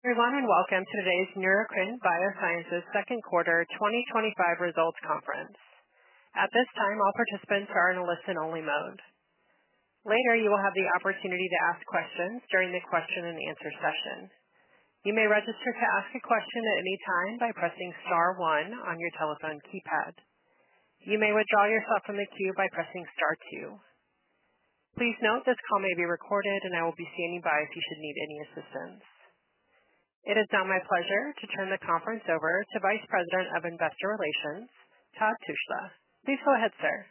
Everyone, and welcome to today's Neurocrine Biosciences Second Quarter 2025 Results Conference. At this time, all participants are in a listen-only mode. Later, you will have the opportunity to ask questions during the question and answer session. You may register to ask a question at any time by pressing star one on your telephone keypad. You may withdraw yourself from the queue by pressing star two. Please note, this call may be recorded, and I will be standing by if you should need any assistance. It is now my pleasure to turn the conference over to Vice President of Investor Relations, Todd Tushla. Please go ahead, sir.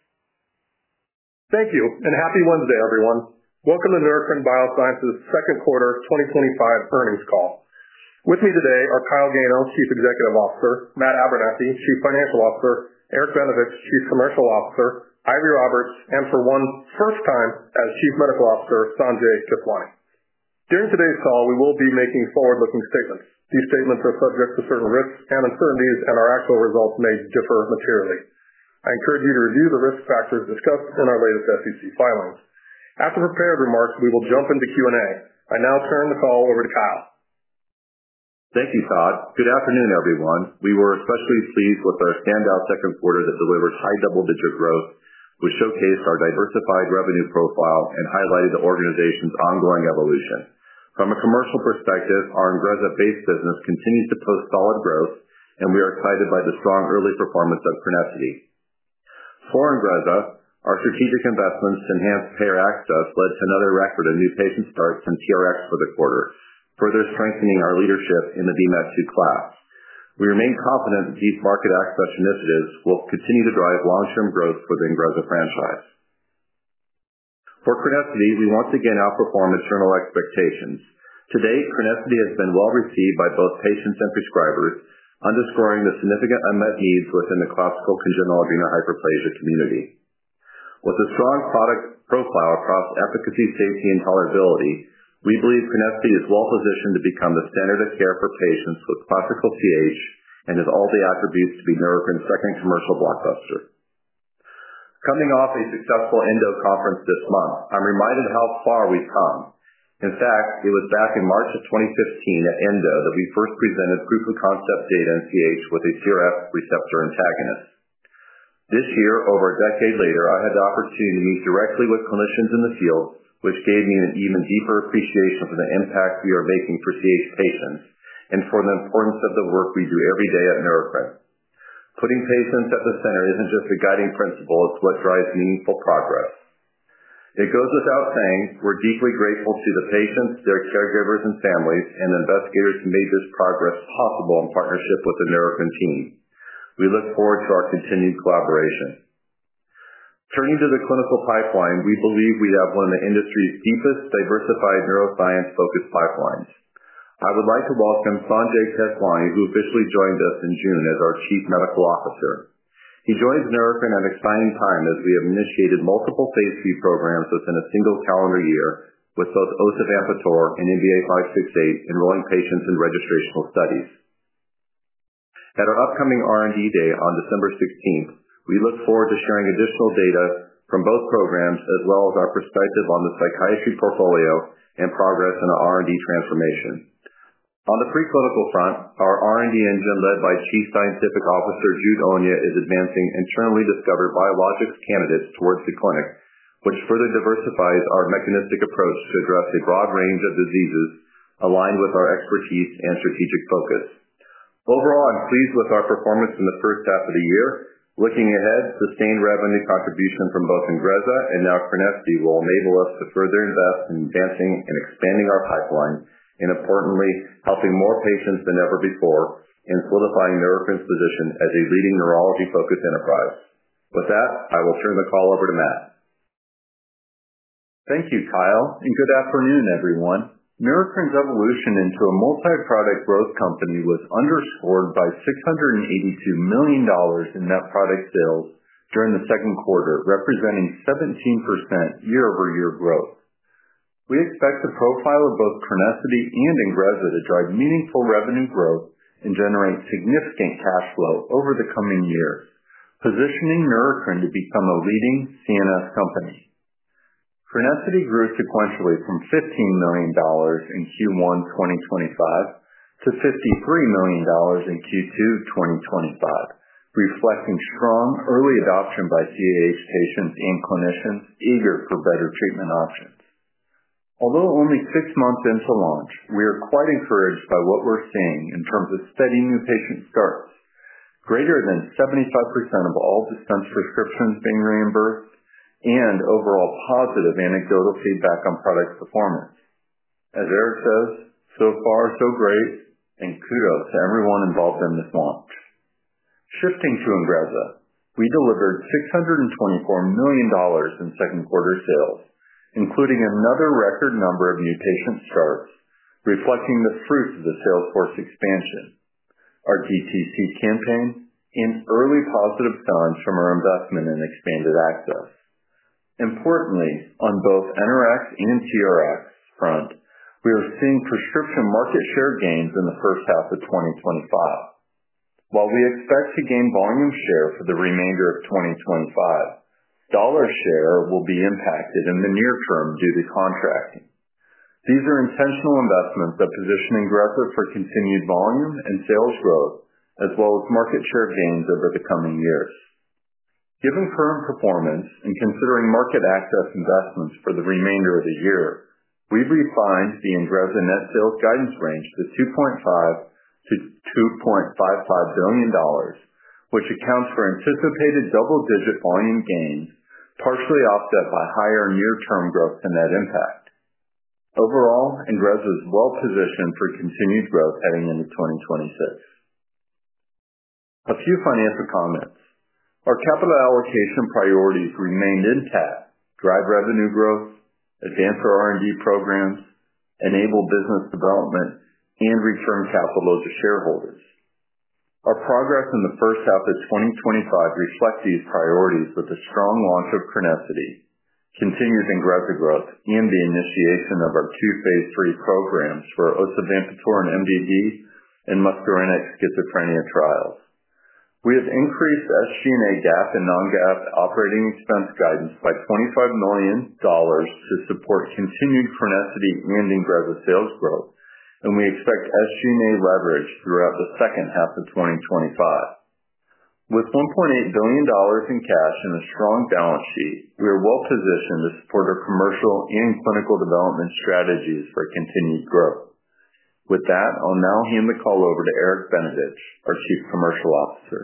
Thank you, and happy Wednesday, everyone. Welcome to Neurocrine Biosciences Second Quarter 2025 Earnings Call. With me today are Kyle Gano, Chief Executive Officer, Matt Abernethy, Chief Financial Officer, Eric Benevich, Chief Commercial Officer, Eiry Roberts, and for one first time as Chief Medical Officer, Sanjay Keswani. During today's call, we will be making forward-looking statements. These statements are subject to certain risks and uncertainties, and our actual results may differ materially. I encourage you to review the risk factors discussed in our latest SEC filings. After prepared remarks, we will jump into Q&A. I now turn the call over to Kyle. Thank you, Todd. Good afternoon, everyone. We were especially pleased with our standout second quarter that delivers high double-digit growth, which showcased our diversified revenue profile and highlighted the organization's ongoing evolution. From a commercial perspective, our INGREZZA-based business continues to post solid growth, and we are excited by the strong early performance of CRENESSITY. For INGREZZA, our strategic investments to enhance payer access led to another record of new patient starts and TRX for the quarter, further strengthening our leadership in the VMAT2 class. We remain confident that these market access initiatives will continue to drive long-term growth for the INGREZZA franchise. For CRENESSITY, we once again outperformed internal expectations. Today, CRENESSITY has been well received by both patients and prescribers, underscoring the significant unmet needs within the classical congenital adrenal hyperplasia community. With a strong product profile across efficacy, safety, and tolerability, we believe CRENESSITY is well positioned to become the standard of care for patients with classical CAH and has all the attributes to be Neurocrine's second commercial blockbuster. Coming off a successful ENDO conference this month, I'm reminded of how far we've come. In fact, it was back in March of 2015 at ENDO that we first presented clinical concept data in CAH with a CRF receptor antagonist. This year, over a decade later, I had the opportunity to meet directly with clinicians in the field, which gave me an even deeper appreciation for the impact we are making for CAH patients and for the importance of the work we do every day at Neurocrine. Putting patients at the center isn't just a guiding principle, it's what drives meaningful progress. It goes without saying we're deeply grateful to the patients, their caregivers and families, and investigators to make this progress possible in partnership with the Neurocrine team. We look forward to our continued collaboration. Turning to the clinical pipeline, we believe we have one of the industry's deepest diversified neuroscience-focused pipelines. I would like to welcome Sanjay Keswani, who officially joined us in June as our Chief Medical Officer. He joined Neurocrine at an exciting time as we have initiated multiple phase III programs within a single calendar year with both osavampator and NBI-568 enrolling patients in registrational studies. At our upcoming R&D day on December 16th, we look forward to sharing additional data from both programs as well as our perspective on the psychiatry portfolio and progress in the R&D transformation. On the preclinical front, our R&D engine led by Chief Scientific Officer Jude Onyia is advancing internally discovered biologics candidates towards the clinic, which further diversifies our mechanistic approach to address a broad range of diseases aligned with our expertise and strategic focus. Overall, I'm pleased with our performance in the first half of the year. Looking ahead, sustained revenue contribution from both INGREZZA and now CRENESSITY will enable us to further invest in advancing and expanding our pipeline, and importantly, helping more patients than ever before in solidifying Neurocrine's position as a leading neurology-focused enterprise. With that, I will turn the call over to Matt. Thank you, Kyle, and good afternoon, everyone. Neurocrine's evolution into a multi-product growth company was underscored by $682 million in net product sales during the second quarter, representing 17% year-over-year growth. We expect the profile of both CRENESSITY and INGREZZA to drive meaningful revenue growth and generate significant cash flow over the coming year, positioning Neurocrine to become a leading CNS company. CRENESSITY grew sequentially from $15 million in Q1 2025 to $53 million in Q2 2025, reflecting strong early adoption by CAH patients and clinicians eager for better treatment options. Although only six months into launch, we are quite encouraged by what we're seeing in terms of steady new patient starts, greater than 75% of all dispensed prescriptions being reimbursed, and overall positive anecdotal feedback on product performance. As Eric says, so far, so great, and kudos to everyone involved in this launch. Shifting to INGREZZA, we delivered $624 million in second quarter sales, including another record number of new patient starts, reflecting the fruits of the salesforce expansion, our GTC campaign, and early positive signs from our investment in expanded access. Importantly, on both NRX and CRX front, we are seeing prescription market share gains in the first half of 2025. While we expect to gain volume share for the remainder of 2025, dollar share will be impacted in the near term due to contracting. These are intentional investments that position INGREZZA for continued volume and sales growth, as well as market share gains over the coming years. Given current performance and considering market access investments for the remainder of the year, we've refined the INGREZZA net sales guidance range to $2.5 billion-$2.55 billion, which accounts for anticipated double-digit volume gains, partially offset by higher near-term gross to net impact. Overall, INGREZZA is well positioned for continued growth heading into 2026. A few financial comments. Our capital allocation priorities remain in path to drive revenue growth, advance our R&D programs, enable business development, and return capital to shareholders. Our progress in the first half of 2025 reflects these priorities with the strong launch of CRENESSITY, continued INGREZZA growth, and the initiation of our two phase III programs for osavampator in MDD and muscarinic schizophrenia trials. We have increased SG&A GAAP and non-GAAP operating expense guidance by $25 million to support continued CRENESSITY and INGREZZA sales growth, and we expect SG&A leverage throughout the second half of 2025. With $1.8 billion in cash and a strong balance sheet, we are well positioned to support our commercial and clinical development strategies for continued growth. With that, I'll now hand the call over to Eric Benevich, our Chief Commercial Officer.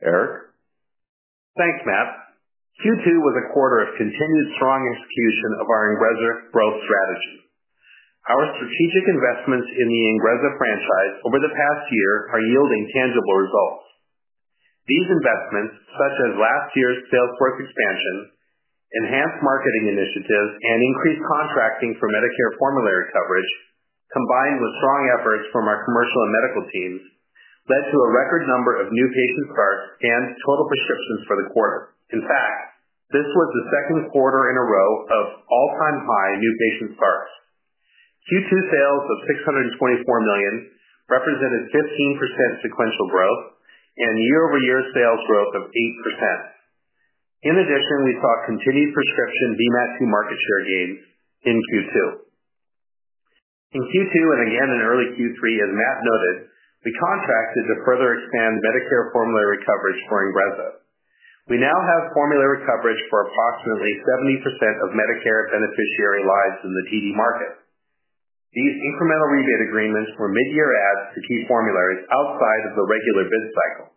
Eric? Thanks, Matt. Q2 was a quarter of continued strong execution of our INGREZZA growth strategy. Our strategic investments in the INGREZZA franchise over the past year are yielding tangible results. These investments, such as last year's salesforce expansion, enhanced marketing initiatives, and increased contracting for Medicare formulary coverage, combined with strong efforts from our commercial and medical teams, led to a record number of new patient starts and total prescriptions for the quarter. In fact, this was the second quarter in a row of all-time high new patient starts. Q2 sales of $624 million represented 15% sequential growth and year-over-year sales growth of 8%. In addition, we saw continued prescription VMAT2 market share gains in Q2. In Q2, and again in early Q3, as Matt noted, we contracted to further expand Medicare formulary coverage for INGREZZA. We now have formulary coverage for approximately 70% of Medicare beneficiary lives in the TD market. These incremental rebate agreements were mid-year adds to key formularies outside of the regular business cycle.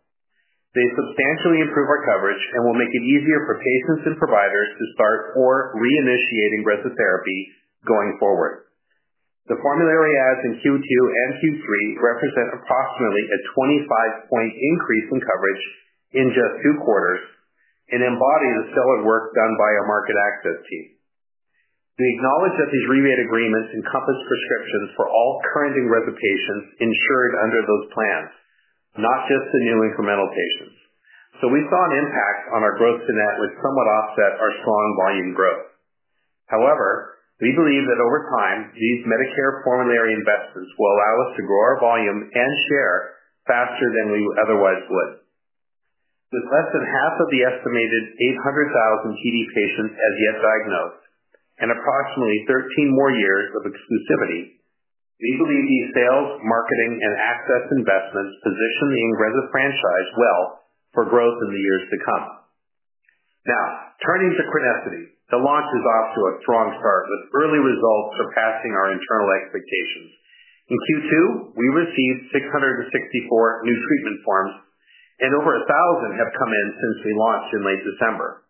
They substantially improve our coverage and will make it easier for patients and providers to start or reinitiate INGREZZA therapy going forward. The formulary adds in Q2 and Q3 represent approximately a 25-point increase in coverage in just two quarters and embody the stellar work done by our market access team. We acknowledge that these rebate agreements encompass prescriptions for all current and revenue patients insured under those plans, not just the new incremental patients. We saw an impact on our growth to net, which somewhat offset our strong volume growth. However, we believe that over time, these Medicare formulary investments will allow us to grow our volume and share faster than we otherwise would. With less than half of the estimated 800,000 TD patients as yet diagnosed and approximately 13 more years of exclusivity, we believe these sales, marketing, and access investments position the INGREZZA franchise well for growth in the years to come. Now, turning to CRENESSITY, the launch is off to a strong start with early results surpassing our internal expectations. In Q2, we received 664 new treatment forms, and over 1,000 have come in since the launch in late December.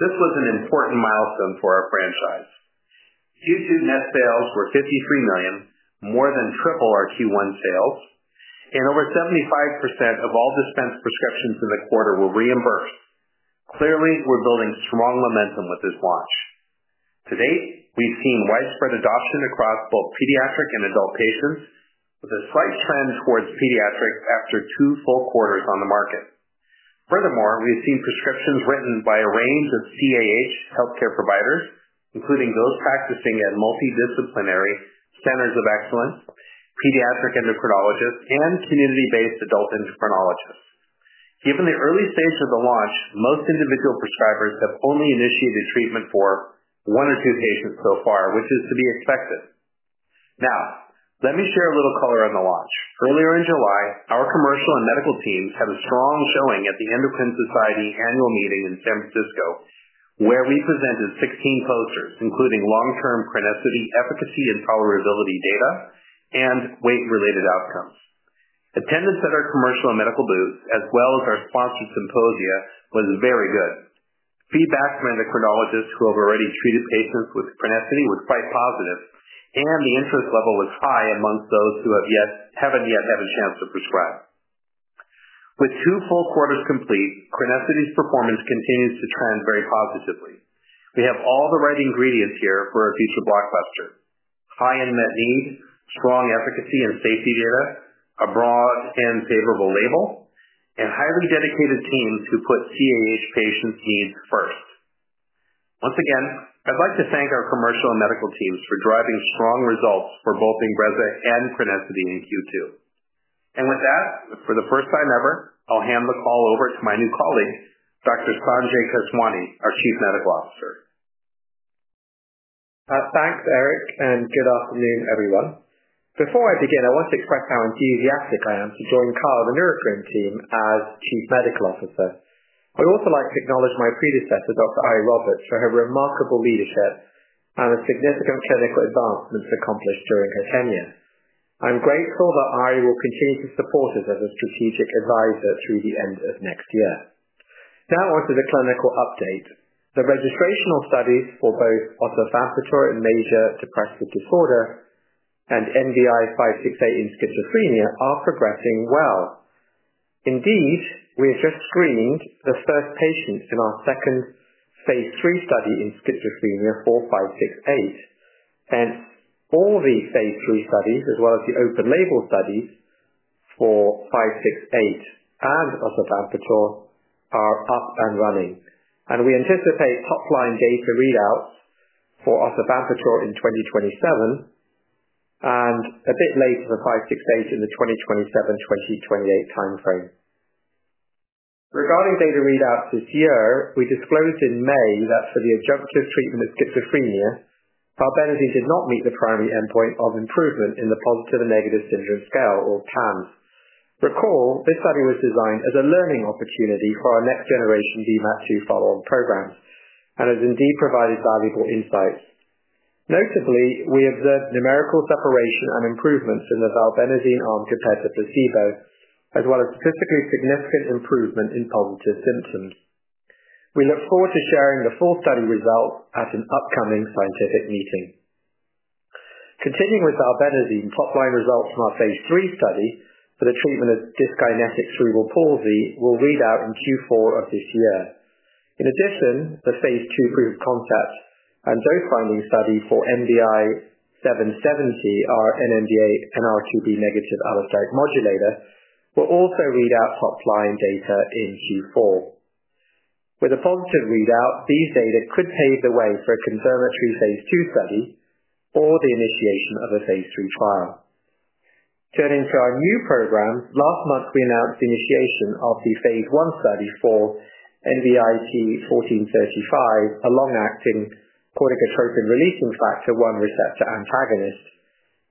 This was an important milestone for our franchise. Q2 net sales were $53 million, more than triple our Q1 sales, and over 75% of all dispensed prescriptions in the quarter were reimbursed. Clearly, we're building strong momentum with this launch. To date, we've seen widespread adoption across both pediatric and adult patients, with a slight trend towards pediatric after two full quarters on the market. Furthermore, we've seen prescriptions written by a range of CAH healthcare providers, including those practicing at multidisciplinary centers of excellence, pediatric endocrinologists, and community-based adult endocrinologists. Given the early stage of the launch, most individual prescribers have only initiated treatment for one or two patients so far, which is to be expected. Now, let me share a little color on the launch. Earlier in July, our commercial and medical teams had a strong showing at the Endocrine Society annual meeting in San Francisco, where we presented 16 posters, including long-term CRENESSITY efficacy and tolerability data and weight-related outcomes. Attendance at our commercial and medical booths, as well as our sponsor symposia, was very good. Feedback from endocrinologists who have already treated patients with CRENESSITY was quite positive, and the interest level was high amongst those who haven't yet had a chance to prescribe. With two full quarters complete, CRENESSITY's performance continues to trend very positively. We have all the right ingredients here for a future blockbuster: high unmet need, strong efficacy and safety data, a broad and favorable label, and highly dedicated teams who put CAH patients' needs first. Once again, I'd like to thank our commercial and medical teams for driving strong results for both INGREZZA and CRENESSITY in Q2. With that, for the first time ever, I'll hand the call over to my new colleague, Dr. Sanjay Keswani, our Chief Medical Officer. Thanks, Eric, and good afternoon, everyone. Before I begin, I want to express how enthusiastic I am to join the call of the Neurocrine team as Chief Medical Officer. I would also like to acknowledge my predecessor, Dr. Eiry Roberts, for her remarkable leadership and the significant clinical advancements accomplished during her tenure. I'm grateful that Eiry will continue to support us as a strategic advisor through the end of next year. Now on to the clinical update. The registrational studies for both osavampator in major depressive disorder and NBI-568 in schizophrenia are progressing well. We have just screened the first patients in our second phase III study in schizophrenia for 568. All the phase III studies, as well as the open-label studies for 568 and osavampator, are up and running. We anticipate top-line data readouts for osavampator in 2027 and a bit later for 568 in the 2027-2028 timeframe. Regarding data readouts this year, we disclosed in May that for the adjunctive treatment of schizophrenia, valbenazine did not meet the primary endpoint of improvement in the Positive and Negative Syndrome Scale, or PANSS. Recall, this study was designed as a learning opportunity for our next-generation VMAT2 follow-on programs and has indeed provided valuable insights. Notably, we observed numerical separation and improvements in the valbenazine arm compared to placebo, as well as statistically significant improvement in positive symptoms. We look forward to sharing the full study results at an upcoming scientific meeting. Continuing with valbenazine, top-line results in our phase III study for the treatment of dyskinetic cerebral palsy will read out in Q4 of this year. In addition, the phase II proof of concept and dose-limiting study for NBI-770, our NMDA NR2B negative allosteric modulator, will also read out top-line data in Q4. With a positive readout, these data could pave the way for a confirmatory phase II study or the initiation of a phase III trial. Turning to our new programs, last month we announced the initiation of the phase I study for NBIP-1435, a long-acting corticotropin-releasing factor 1 receptor antagonist,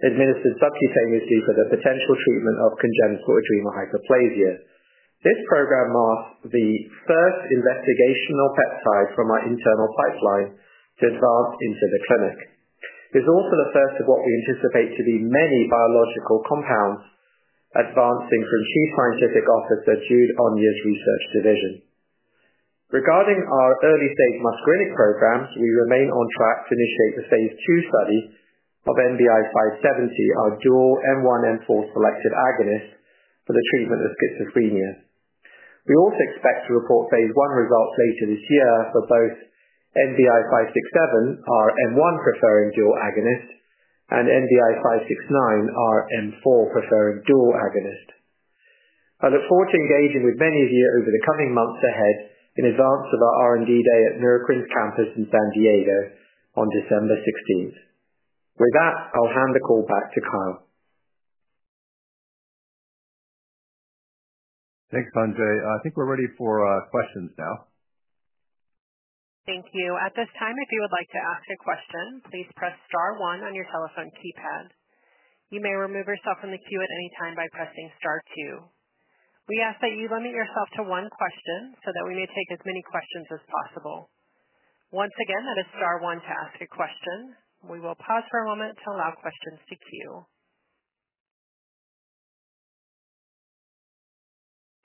administered subcutaneously for the potential treatment of congenital adrenal hyperplasia. This program marks the first investigational peptide from our internal pipeline to advance into the clinic. It's also the first of what we anticipate to be many biological compounds advancing from Chief Scientific Officer Jude Onyia's research division. Regarding our early-stage muscarinic program, we remain on track to initiate the phase II study of NBI-570, our dual M1/M4 selective agonist for the treatment of schizophrenia. We also expect to report phase I results later this year for both NBI-567, our M1-preferring dual agonist, and NBI-569, our M4-preferring dual agonist. I look forward to engaging with many of you over the coming months ahead in advance of our R&D day at Neurocrine campus in San Diego on December 16th. With that, I'll hand the call back to Kyle. Thanks, Sanjay. I think we're ready for questions now. Thank you. At this time, if you would like to ask a question, please press star one on your telephone keypad. You may remove yourself from the queue at any time by pressing star two. We ask that you limit yourself to one question so that we may take as many questions as possible. Once again, that is star one to ask a question. We will pause for a moment to allow questions to queue.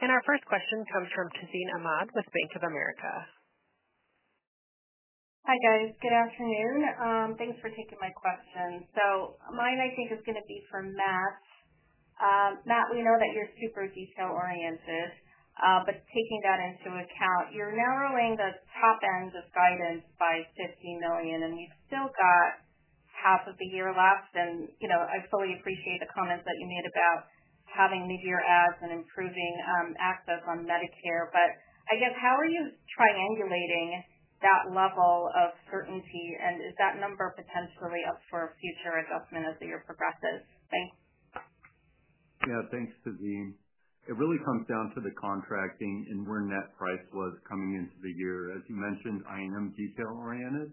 Our first question comes from Tazeen Ahmad with Bank of America. Hi, guys. Good afternoon. Thanks for taking my question. Mine I think is going to be for Matt. Matt, we know that you're super detail-oriented, taking that into account, you're narrowing the top end of guidance by $50 million, and you've still got half of the year left. I fully appreciate the comments that you made about having mid-year adds and improving access on Medicare. I guess, how are you triangulating that level of certainty, and is that number potentially up for future adjustment as the year progresses? Thanks. Yeah, thanks, Tazeen. It really comes down to the contracting and where net price was coming into the year. As you mentioned, I am detail-oriented,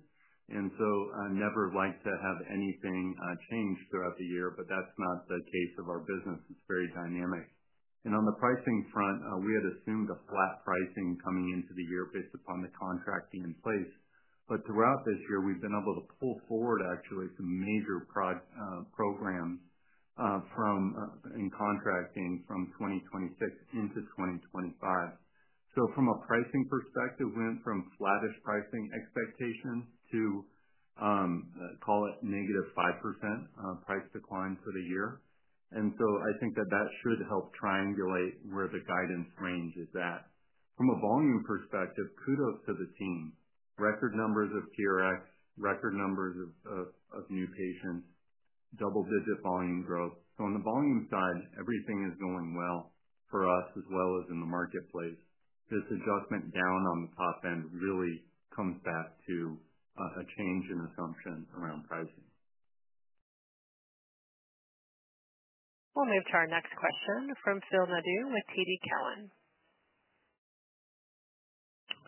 and so I never like to have anything changed throughout the year, but that's not the case of our business. It's very dynamic. On the pricing front, we had assumed a flat pricing coming into the year based upon the contracting in place. Throughout this year, we've been able to pull forward, actually, some major programs in contracting from 2026 into 2025. From a pricing perspective, we went from flattest pricing expectations to, call it, -5% price decline for the year. I think that that should help triangulate where the guidance range is at. From a volume perspective, kudos to the team. Record numbers of TRX, record numbers of new patients, double-digit volume growth. On the volume side, everything is going well for us, as well as in the marketplace. This adjustment down on the top end really comes back to a change in assumption around pricing. We'll move to our next question from Phil Nadeau with TD Cowen.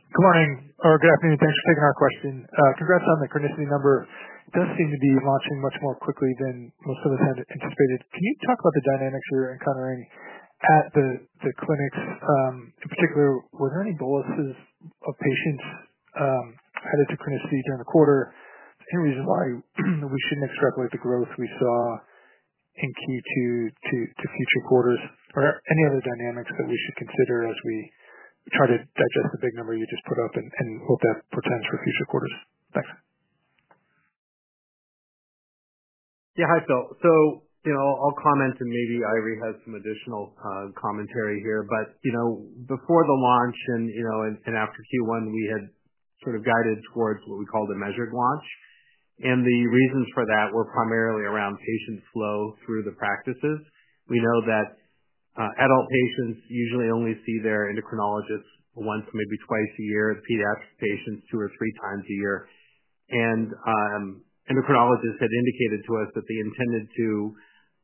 Good morning, or good afternoon. Thanks for taking our question. Congrats on the CRENESSITY number. It does seem to be launching much more quickly than most of us had anticipated. Can you talk about the dynamics you're encountering at the clinics? In particular, were there any boluses of patients headed to CRENESSITY during the quarter? Any reason why we shouldn't extrapolate the growth we saw in Q2 to future quarters? Any other dynamics that we should consider as we try to digest the big number you just put up and hope that pertains for future quarters? Thanks. Yeah, hi, Phil. I'll comment, and maybe Eiry has some additional commentary here. Before the launch and after Q1, we had guided towards what we called a measured launch. The reasons for that were primarily around patient flow through the practices. We know that adult patients usually only see their endocrinologist once, maybe twice a year, and PDAP patients two or three times a year. Endocrinologists had indicated to us that they intended to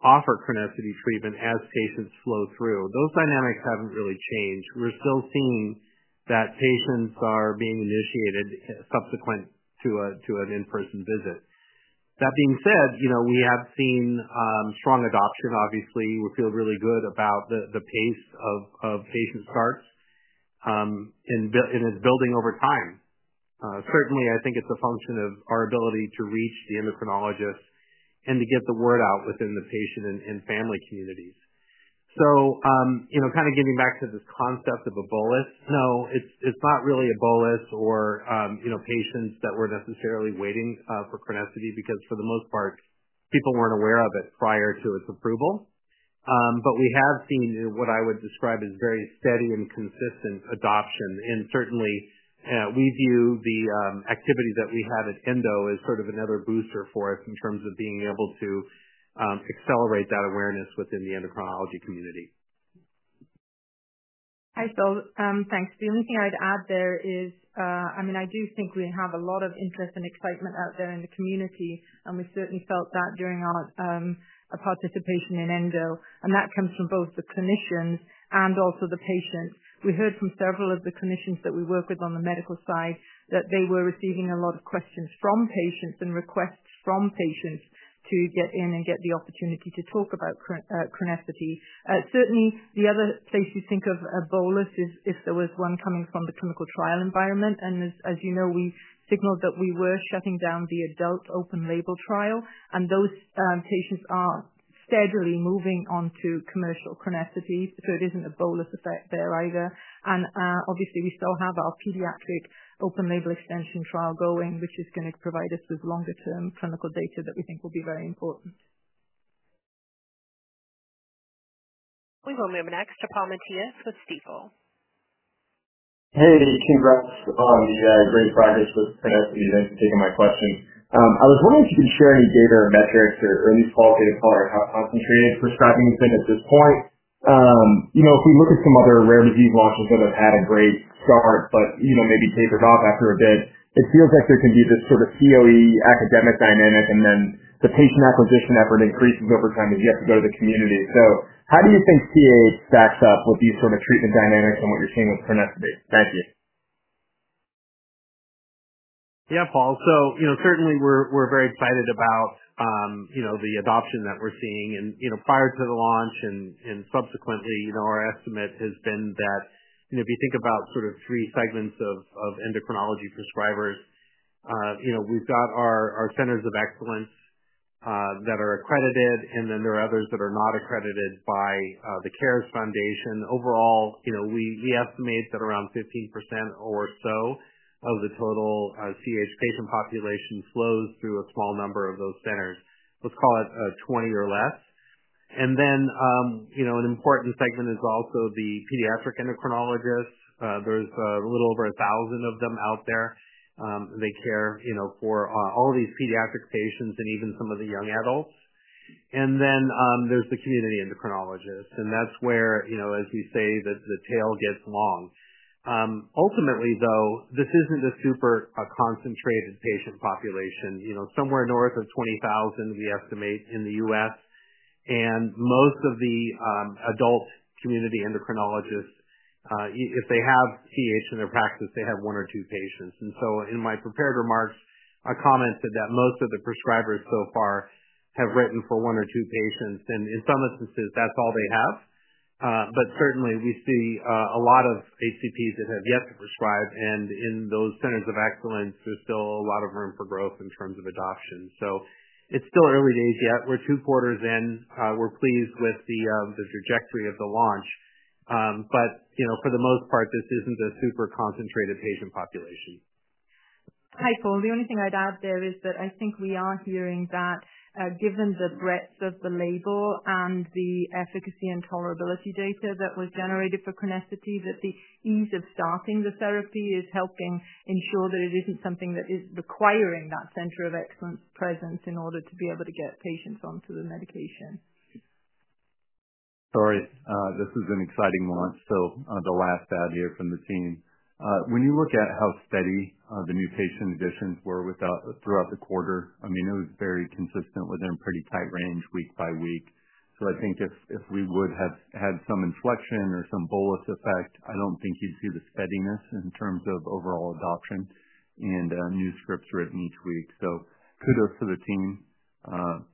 offer CRENESSITY treatment as patients flow through. Those dynamics haven't really changed. We're still seeing that patients are being initiated subsequent to an in-person visit. That being said, we have seen strong adoption, obviously. We feel really good about the pace of patient starts, and it's building over time. Certainly, I think it's a function of our ability to reach the endocrinologists and to get the word out within the patient and family communities. Getting back to this concept of a bolus, no, it's not really a bolus or patients that were necessarily waiting for CRENESSITY because, for the most part, people weren't aware of it prior to its approval. We have seen what I would describe as very steady and consistent adoption. Certainly, we view the activity that we had at ENDO as another booster for us in terms of being able to accelerate that awareness within the endocrinology community. Hi, Phil. Thanks. The only thing I'd add there is, I mean, I do think we have a lot of interest and excitement out there in the community, and we certainly felt that during our participation in ENDO. That comes from both the clinicians and also the patients. We heard from several of the clinicians that we work with on the medical side that they were receiving a lot of questions from patients and requests from patients to get in and get the opportunity to talk about CRENESSITY. Certainly, the other place we think of a bolus is if there was one coming from the clinical trial environment. As you know, we signaled that we were shutting down the adult open-label trial, and those patients are steadily moving on to commercial CRENESSITY, so it isn't a bolus effect there either. Obviously, we still have our pediatric open-label extension trial going, which is going to provide us with longer-term clinical data that we think will be very important. We will move next to Paul Matteis with Stifel. Hey, and congrats on the great progress with CRENESSITY. Thanks for taking my question. I was wondering if you could share any data or metrics or at least qualitative power on how concerning for starting to at this point. You know, if we look at some other rare disease launches that have had a great start, but you know maybe tapered off after a bit, it feels like there can be this sort of COE academic dynamic, and then the patient acquisition effort increases over time as you have to go to the community. How do you think COE stacks up with these sort of treatment dynamics and what you're seeing with CRENESSITY? Thank you. Yeah, Paul. Certainly, we're very excited about the adoption that we're seeing. Prior to the launch and subsequently, our estimate has been that if you think about sort of three segments of endocrinology prescribers, we've got our centers of excellence that are accredited, and then there are others that are not accredited by the CARES Foundation. Overall, we estimate that around 15% or so of the total CAH patient population flows through a small number of those centers. Let's call it 20 or less. An important segment is also the pediatric endocrinologists. There's a little over 1,000 of them out there. They care for all of these pediatric patients and even some of the young adults. Then there's the community endocrinologists, and that's where, as we say, the tail gets long. Ultimately, though, this isn't a super concentrated patient population. Somewhere north of 20,000, we estimate, in the U.S. Most of the adult community endocrinologists, if they have CAH in their practice, have one or two patients. In my prepared remarks, I commented that most of the prescribers so far have written for one or two patients. In some instances, that's all they have. Certainly, we see a lot of ACPs that have yet to prescribe, and in those centers of excellence, there's still a lot of room for growth in terms of adoption. It's still early days yet. We're two quarters in. We're pleased with the trajectory of the launch. For the most part, this isn't a super concentrated patient population. Hi, Phil. The only thing I'd add there is that I think we are hearing that given the breadth of the label and the efficacy and tolerability data that was generated for CRENESSITY, the ease of starting the therapy is helping ensure that it isn't something that is requiring that center of excellence presence in order to be able to get patients onto the medication. [Sorry], this is an exciting launch, still the last out here from the team. When you look at how steady the new patient additions were throughout the quarter, it was very consistent within a pretty tight range week by week. I think if we would have had some inflection or some bolus effect, I don't think you'd see the steadiness in terms of overall adoption and new scripts written each week. Kudos to the team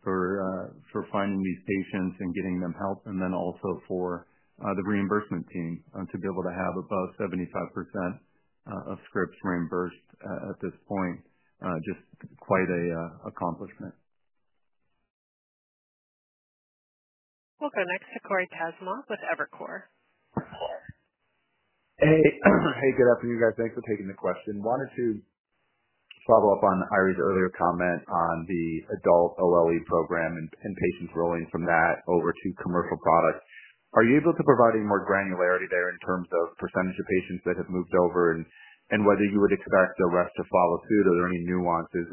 for finding these patients and getting them help, and also for the reimbursement team to be able to have above 75% of scripts reimbursed at this point. Just quite an accomplishment. Welcome. Next to Cory Kasimov with Evercore. Hey, Steven. Good afternoon, guys. Thanks for taking the question. Wanted to follow up on Eiry's earlier comment on the adult LLE program and patients rolling from that over to commercial product. Are you able to provide any more granularity there in terms of percent of patients that have moved over and whether you would expect the rest to follow suit? Are there any nuances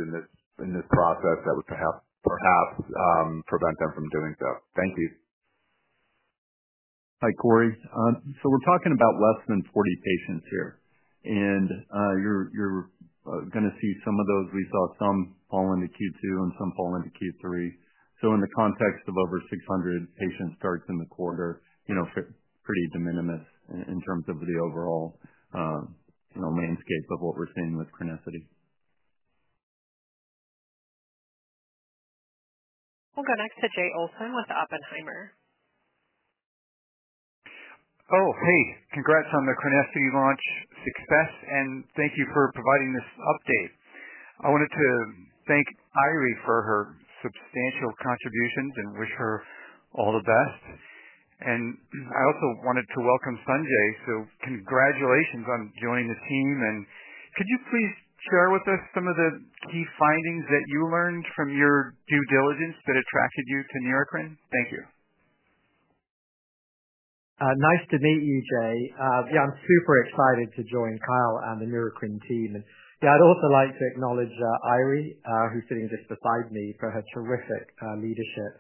in this process that would perhaps prevent them from doing so? Thank you. Hi, Corey. We're talking about less than 40 patients here, and you're going to see some of those. We saw some fall into Q2 and some fall into Q3. In the context of over 600 patient starts in the quarter, you know, pretty de minimis in terms of the overall landscape of what we're seeing with CRENESSITY. We'll go next to Jay Olson with Oppenheimer. Oh, hey. Congrats on the CRENESSITY launch success, and thank you for providing this update. I wanted to thank Eiry for her substantial contributions and wish her all the best. I also wanted to welcome Sanjay. Congratulations on joining the team. Could you please share with us some of the key findings that you learned from your due diligence that attracted you to Neurocrine? Thank you. Nice to meet you, Jay. Yeah, I'm super excited to join Kyle and the Neurocrine team. I'd also like to acknowledge Eiry, who's sitting just beside me, for her terrific leadership.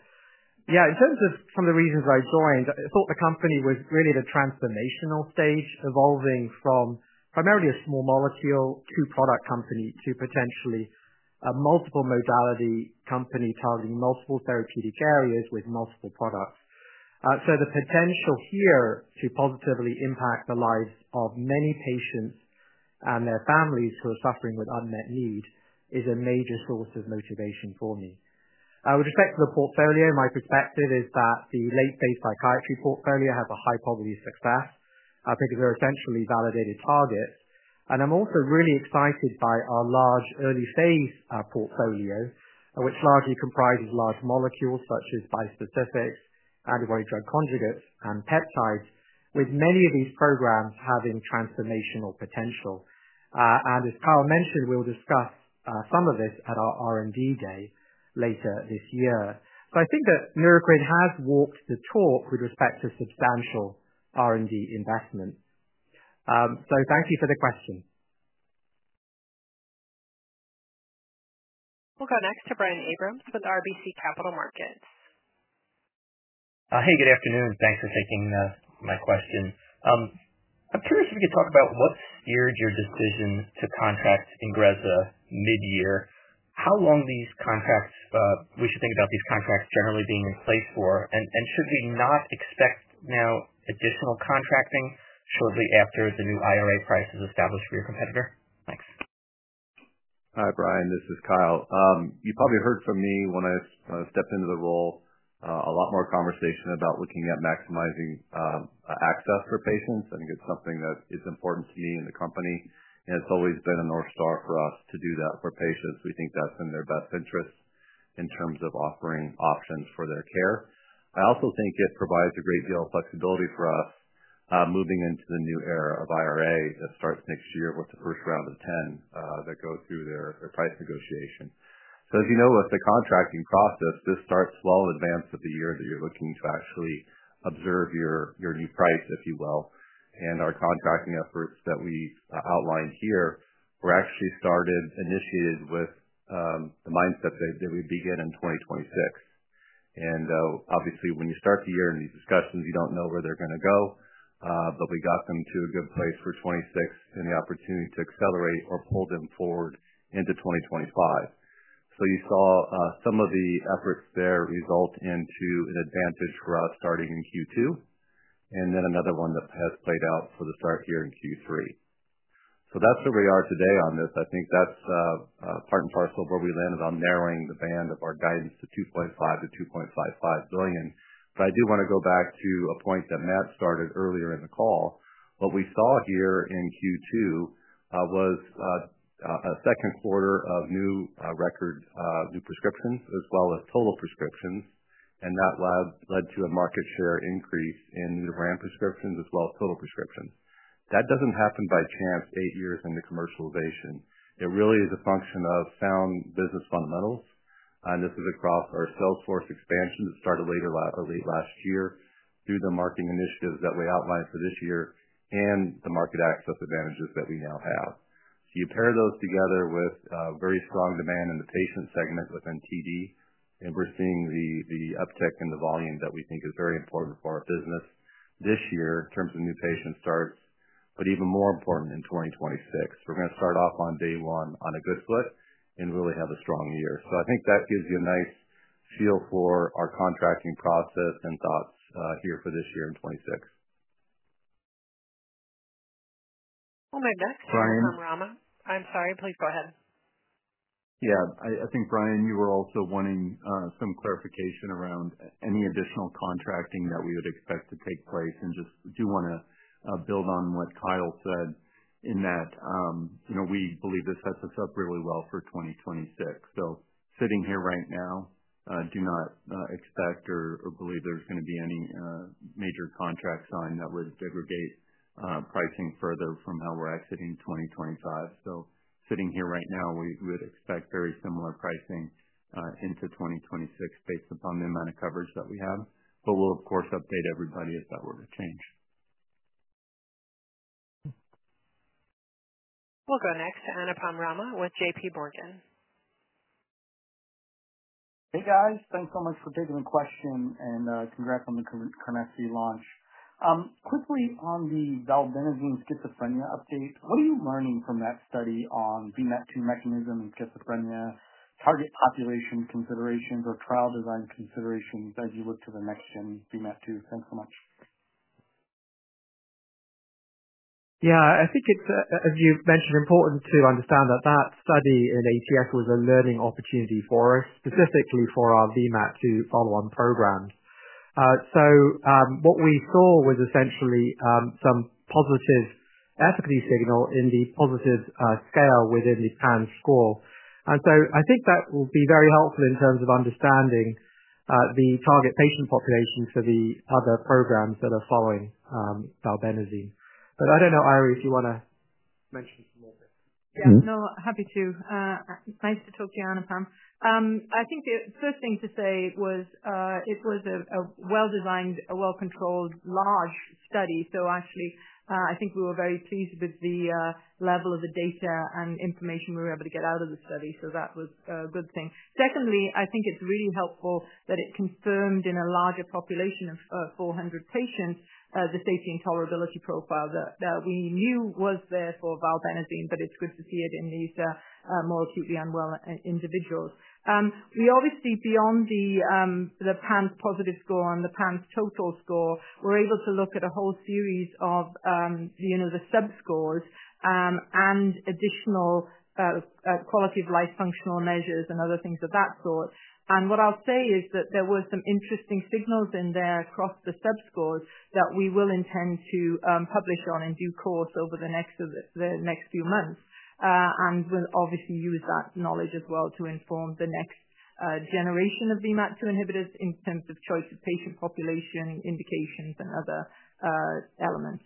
In terms of some of the reasons I joined, I thought the company was really at a transformational stage, evolving from primarily a small molecule to product company to potentially a multiple-modality company targeting multiple therapeutic areas with multiple products. The potential here to positively impact the lives of many patients and their families who are suffering with unmet needs is a major source of motivation for me. I would expect the portfolio, my perspective is that the late-phase psychiatry portfolio has a high probability of success. I think a very centrally validated target. I'm also really excited by our large early-phase portfolio, which largely comprises large molecules such as bispecifics, antibody drug conjugates, and peptides, with many of these programs having transformational potential. As Kyle mentioned, we'll discuss some of this at our R&D day later this year. I think that Neurocrine has walked the talk with respect to substantial R&D investment. Thank you for the question. We'll go next to Brian Abrams with RBC Capital Markets. Hey, good afternoon. Thanks for taking my question. I'm curious if you could talk about what steered your decision to contract INGREZZA mid-year. How long these contracts, we should think about these contracts generally being in place for, and should we not expect now additional contracting shortly after the new IRA price is established for your competitor? Thanks. Hi, Brian. This is Kyle. You probably heard from me when I stepped into the role, a lot more conversation about looking at maximizing access for patients. I think it's something that is important to me and the company. It's always been a north star for us to do that for patients. We think that's in their best interest in terms of offering options for their care. I also think it provides a great deal of flexibility for us moving into the new era of IRA that starts next year with the first round of 10 that go through their price negotiation. As you know, with the contracting process, this starts slow in advance of the year that you're looking to actually observe your new price, if you will. Our contracting efforts that we outlined here were actually started, initiated with the mindset that we'd begin in 2026. Obviously, when you start the year in these discussions, you don't know where they're going to go. We got them to a good place for 2026 and the opportunity to accelerate or pull them forward into 2025. You saw some of the efforts there result into an advantage for us starting in Q2, and then another one that has played out for the start here in Q3. That's where we are today on this. I think that's part and parcel of where we landed on narrowing the band of our guidance to $2.5 million-$2.55 billion. I do want to go back to a point that Matt started earlier in the call. What we saw here in Q2 was a second quarter of new record new prescriptions as well as total prescriptions, and that led to a market share increase in new RAM prescriptions as well as total prescriptions. That doesn't happen by chance eight years into commercialization. It really is a function of sound business fundamentals. This is a crop for our Salesforce expansion that started late last year through the marketing initiatives that we outlined for this year and the market access advantages that we now have. You pair those together with very strong demand in the patient segment within TD, and we're seeing the uptick in the volume that we think is very important for our business this year in terms of new patient starts, but even more important in 2026. We're going to start off on day one on a good foot and really have a strong year. I think that gives you a nice feel for our contracting process and thoughts here for this year in 2026. I'm sorry, please go ahead. Yeah, I think, Brian, you were also wanting some clarification around any additional contracting that we would expect to take place. I just do want to build on what Kyle said in that, you know, we believe this sets us up really well for 2026. Sitting here right now, do not expect or believe there's going to be any major contract signed that would degrade pricing further from how we're exiting 2025. Sitting here right now, we would expect very similar pricing into 2026 based upon the amount of coverage that we have. We'll, of course, update everybody if that were to change. We'll go next to Anupam Rama with JPMorgan. Hey, guys. Thanks so much for taking the question and congrats on the CRENESSITY launch. Quickly, on the valbenazine schizophrenia update, what are you learning from that study on VMAT2 mechanism and schizophrenia target population considerations or trial design considerations as you look to the next one's VMAT2? Thanks so much. Yeah, I think it's, as you mentioned, important to understand that that study in ATF was a learning opportunity for us, specifically for our VMAT2 follow-on programs. What we saw was essentially some positives ethically signaled in the positive scale within the TAN score. I think that will be very helpful in terms of understanding the target patient population for the other programs that are following INGREZZA. I don't know, Eiry, if you want to mention [some more bits]. No, happy to. It's nice to talk to you, Anupam. I think the first thing to say was it was a well-designed, well-controlled, large study. I think we were very pleased with the level of the data and information we were able to get out of the study. That was a good thing. Secondly, I think it's really helpful that it confirmed in a larger population of 400 patients the safety and tolerability profile that we knew was there for valbenazine, but it's good to see it in these more acutely unwell individuals. We obviously, beyond the TAN positive score and the TAN total score, were able to look at a whole series of the sub-scores and additional quality of life functional measures and other things of that sort. What I'll say is that there were some interesting signals in there across the sub-scores that we will intend to publish on in due course over the next few months. We'll obviously use that knowledge as well to inform the next generation of VMAT2 inhibitors in terms of choice of patient population, indications, and other elements.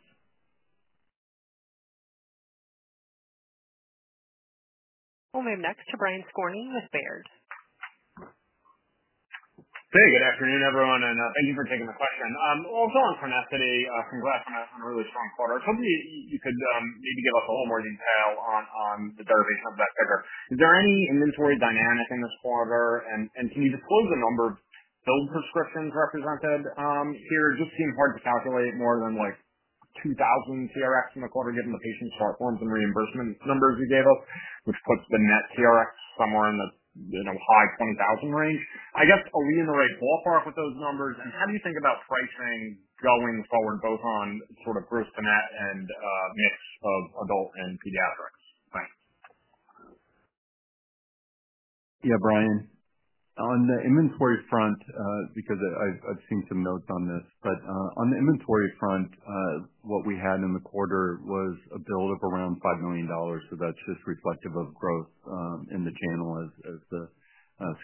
We'll move next to Brian Skorney with Baird. Hey, good afternoon, everyone, and thank you for taking the question. I was on CRENESSITY. Congrats on a really strong quarter. I was hoping you could give us a little more detail on the therapy complex. Is there any inventory dynamic in this quarter? Can you disclose the number of filled prescriptions represented here? It just seems hard to calculate more than like 2,000 TRX in the quarter, given the patient start forms and reimbursement numbers you gave us, which puts the net TRX somewhere in the high 20,000 range. I guess, are we in the right ballpark with those numbers? How do you think about pricing going forward, both on sort of first-to-net and mix of adult and pediatrics plans? Yeah, Brian. On the inventory front, because I've seen some notes on this, on the inventory front, what we had in the quarter was a build-up around $5 million. That's just reflective of growth in the channel as the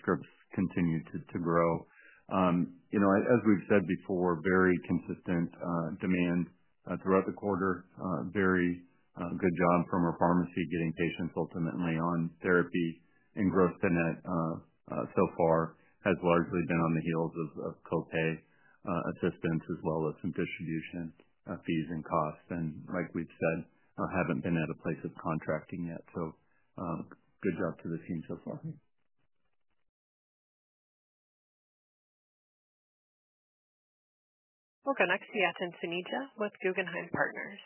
scripts continue to grow. As we've said before, very consistent demand throughout the quarter. Very good job from our pharmacy getting patients ultimately on therapy. Growth to net so far has largely been on the heels of co-pay assistance as well as some distribution fees and costs. Like we've said, I haven't been at a place of contracting yet. Good job to the team so far. We'll go next to Yatin Suneja with Guggenheim Partners.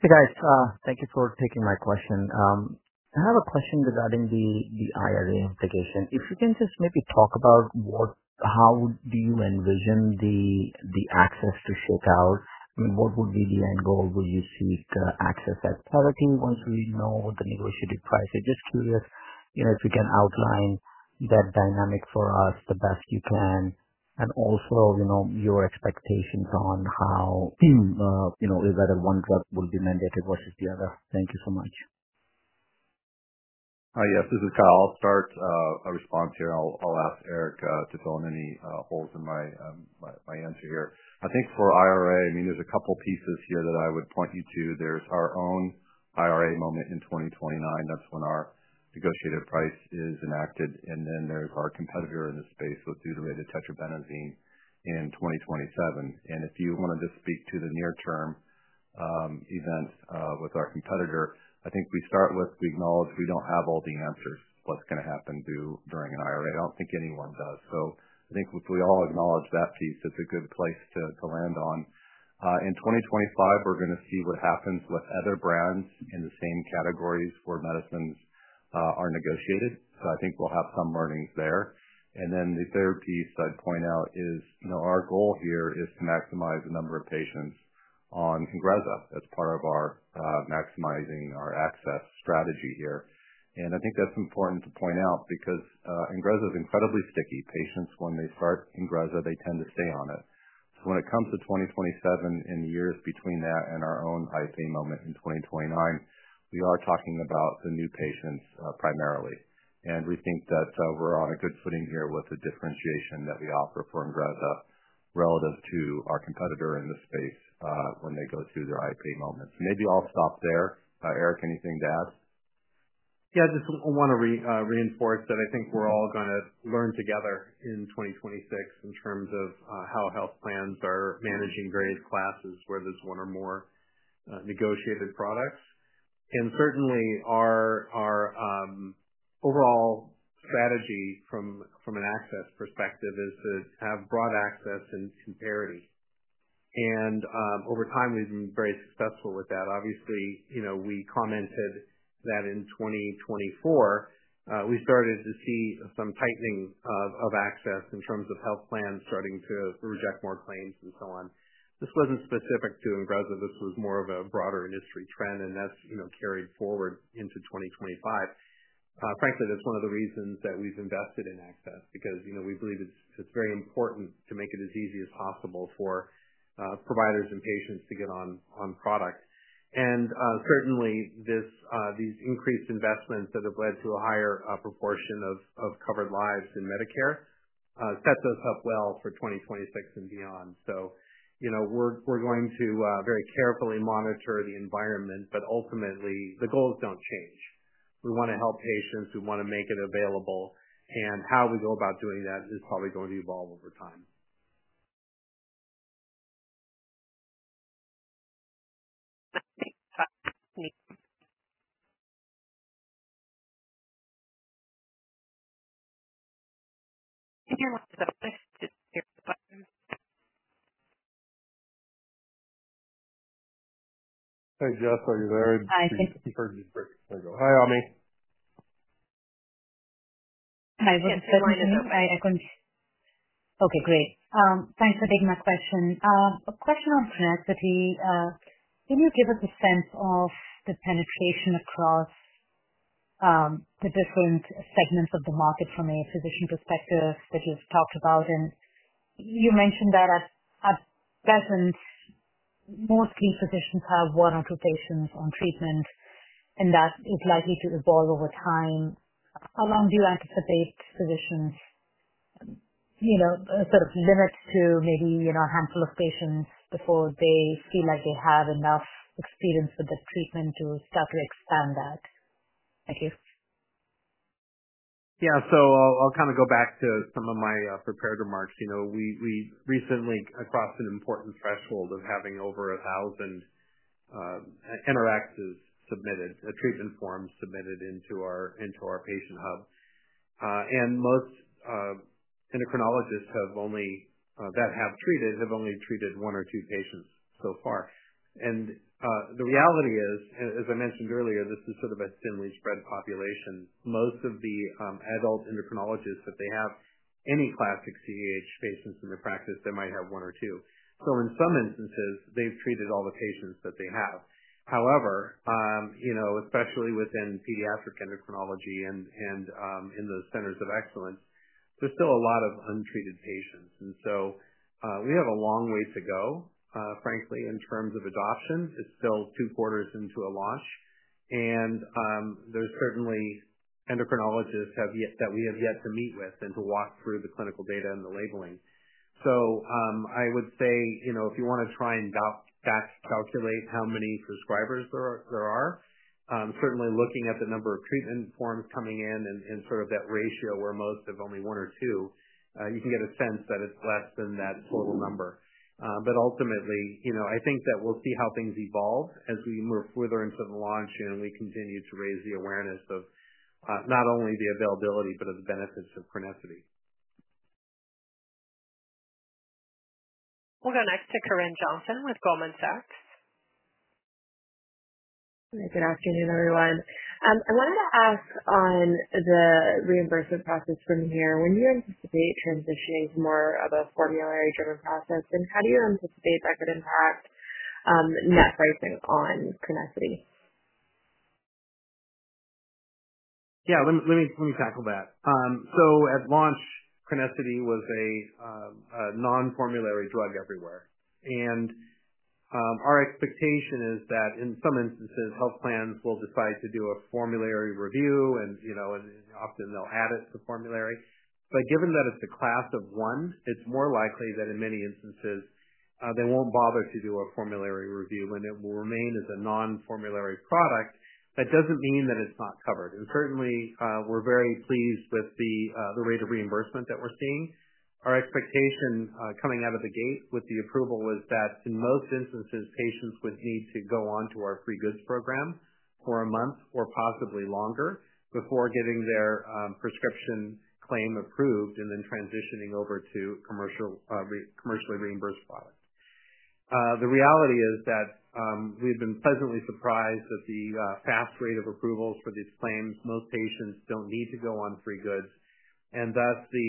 Hey, guys. Thank you for taking my question. I have a question regarding the IRA notification. If you can just maybe talk about how you envision the access to shake out? What would be the end goal? Would you seek access as therapy once we know the negotiated price? I'm just curious if you can outline that dynamic for us the best you can and also your expectations on how, you know, whether one drug will be mandated versus the other. Thank you so much. Hi, yes. This is Kyle. I'll start a response here, and I'll ask Eric to fill in any holes in my answer here. I think for IRA, there are a couple of pieces here that I would point you to. There's our own IRA moment in 2029. That's when our negotiated price is enacted. Then there's our competitor in this space, with deutetrabenazine in 2027. If you want to just speak to the near-term events with our competitor, we acknowledge we don't have all the answers to what's going to happen during an IRA. I don't think anyone does. If we all acknowledge that piece, it's a good place to land on. In 2025, we're going to see what happens with other brands in the same categories where medicines are negotiated. I think we'll have some learnings there. The third piece I'd point out is our goal here is to maximize the number of patients on INGREZZA. That's part of maximizing our access strategy here. I think that's important to point out because INGREZZA is incredibly sticky. Patients, when they start INGREZZA, tend to stay on it. When it comes to 2027 and years between that and our own IP moment in 2029, we are talking about the new patients primarily. We think that we're on a good footing here with the differentiation that we offer for INGREZZA relative to our competitor in this space when they go through their IP moments. Maybe I'll stop there. Eric, anything to add? Yeah, I just want to reinforce that I think we're all going to learn together in 2026 in terms of how health plans are managing various classes where there's one or more negotiated products. Certainly, our overall strategy from an access perspective is to have broad access and parity. Over time, we've been very successful with that. Obviously, you know, we commented that in 2024, we started to see some tightening of access in terms of health plans threatening to reject more claims and so on. This wasn't specific to INGREZZA. This was more of a broader industry trend, and that's carried forward into 2025. Frankly, that's one of the reasons that we've invested in access because we believe it's very important to make it as easy as possible for providers and patients to get on product. Certainly, these increased investments that have led to a higher proportion of covered lives in Medicare, that does help well for 2026 and beyond. You know, we're going to very carefully monitor the environment, but ultimately, the goals don't change. We want to help patients. We want to make it available. How we go about doing that is probably going to evolve over time. Hey, Jess. Are you there? Hi. I think I heard you for a second ago. Hi, Ami. Hi. Was it still me? [Hi, Ami]. Okay, great. Thanks for taking my question. A question on CRENESSITY. Can you give us a sense of the penetration across the different segments of the market from a physician perspective that you've talked about? You mentioned that at present, mostly physicians have one or two patients on treatment, and that is likely to evolve over time. How long do you anticipate physicians sort of limit to maybe a handful of patients before they feel like they have enough experience with the treatment to start to expand that? Thank you. Yeah. I'll kind of go back to some of my prepared remarks. We recently crossed an important threshold of having over 1,000 NRXs submitted, a treatment form submitted into our patient hub. Most endocrinologists that have treated have only treated one or two patients so far. The reality is, as I mentioned earlier, this is sort of a thinly spread population. Most of the adult endocrinologists that have any classic CAH patients in their practice might have one or two. In some instances, they've treated all the patients that they have. However, especially within pediatric endocrinology and in those centers of excellence, there's still a lot of untreated patients. We have a long way to go, frankly, in terms of adoption. It's still two quarters into a launch. There are certainly endocrinologists that we have yet to meet with and to walk through the clinical data and the labeling. I would say, if you want to try and calculate how many subscribers there are, certainly looking at the number of treatment forms coming in and sort of that ratio where most have only one or two, you can get a sense that it's less than that total number. Ultimately, I think that we'll see how things evolve as we move further into the launch and we continue to raise the awareness of not only the availability but of the benefits of CRENESSITY. We'll go next to [Karen] Johnson with Goldman Sachs. Good afternoon, everyone. I wanted to ask on the reimbursement process from here. When you anticipate transitioning to more of a formulary-driven process, how do you anticipate that could impact net pricing on CRENESSITY? Yeah, let me tackle that. At launch, CRENESSITY was a non-formulary drug everywhere. Our expectation is that in some instances, health plans will decide to do a formulary review, and, you know, often they'll add it to the formulary. Given that it's a class of one, it's more likely that in many instances, they won't bother to do a formulary review, and it will remain as a non-formulary product. That doesn't mean that it's not covered. Certainly, we're very pleased with the rate of reimbursement that we're seeing. Our expectation coming out of the gate with the approval was that in most instances, patients would need to go on to our free goods program for a month or possibly longer before getting their prescription claim approved and then transitioning over to a commercially reimbursed product. The reality is that we've been pleasantly surprised at the fast rate of approvals for these claims. Most patients don't need to go on free goods, and thus, the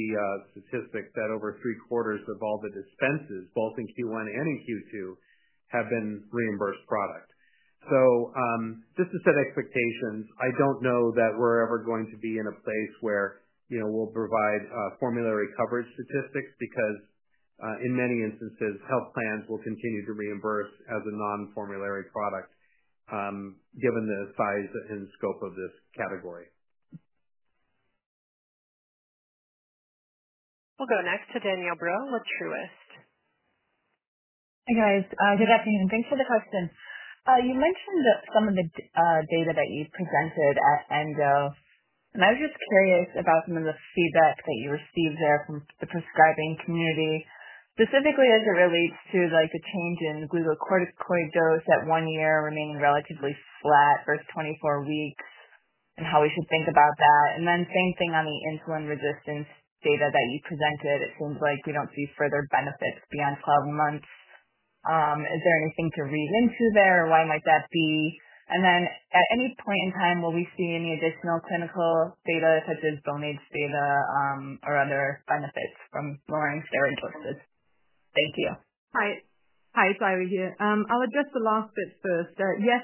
statistic that over 3/4 of all the dispenses, both in Q1 and in Q2, have been reimbursed product. Just to set expectations, I don't know that we're ever going to be in a place where we'll provide formulary coverage statistics because in many instances, health plans will continue to reimburse as a non-formulary product given the size and scope of the category. We'll go next to Danielle Breaux with Truist. Hi guys. Good afternoon. Thanks for the question. You mentioned some of the data that you presented at ENDO, and I was just curious about some of the feedback that you received there from the prescribing community, specifically as it relates to a change in glucocorticoid dose at one year remaining relatively flat versus 24 weeks and how we should think about that. The same thing on the insulin-resistance data that you presented. It seems like we don't see further benefits beyond 12 months. Is there anything to read into there or why might that be? At any point in time, will we see any additional clinical data such as bone age data or other benefits from lowering steroid doses? Thank you. Hi, it's Eiry here. I'll address the last bit first. Yes,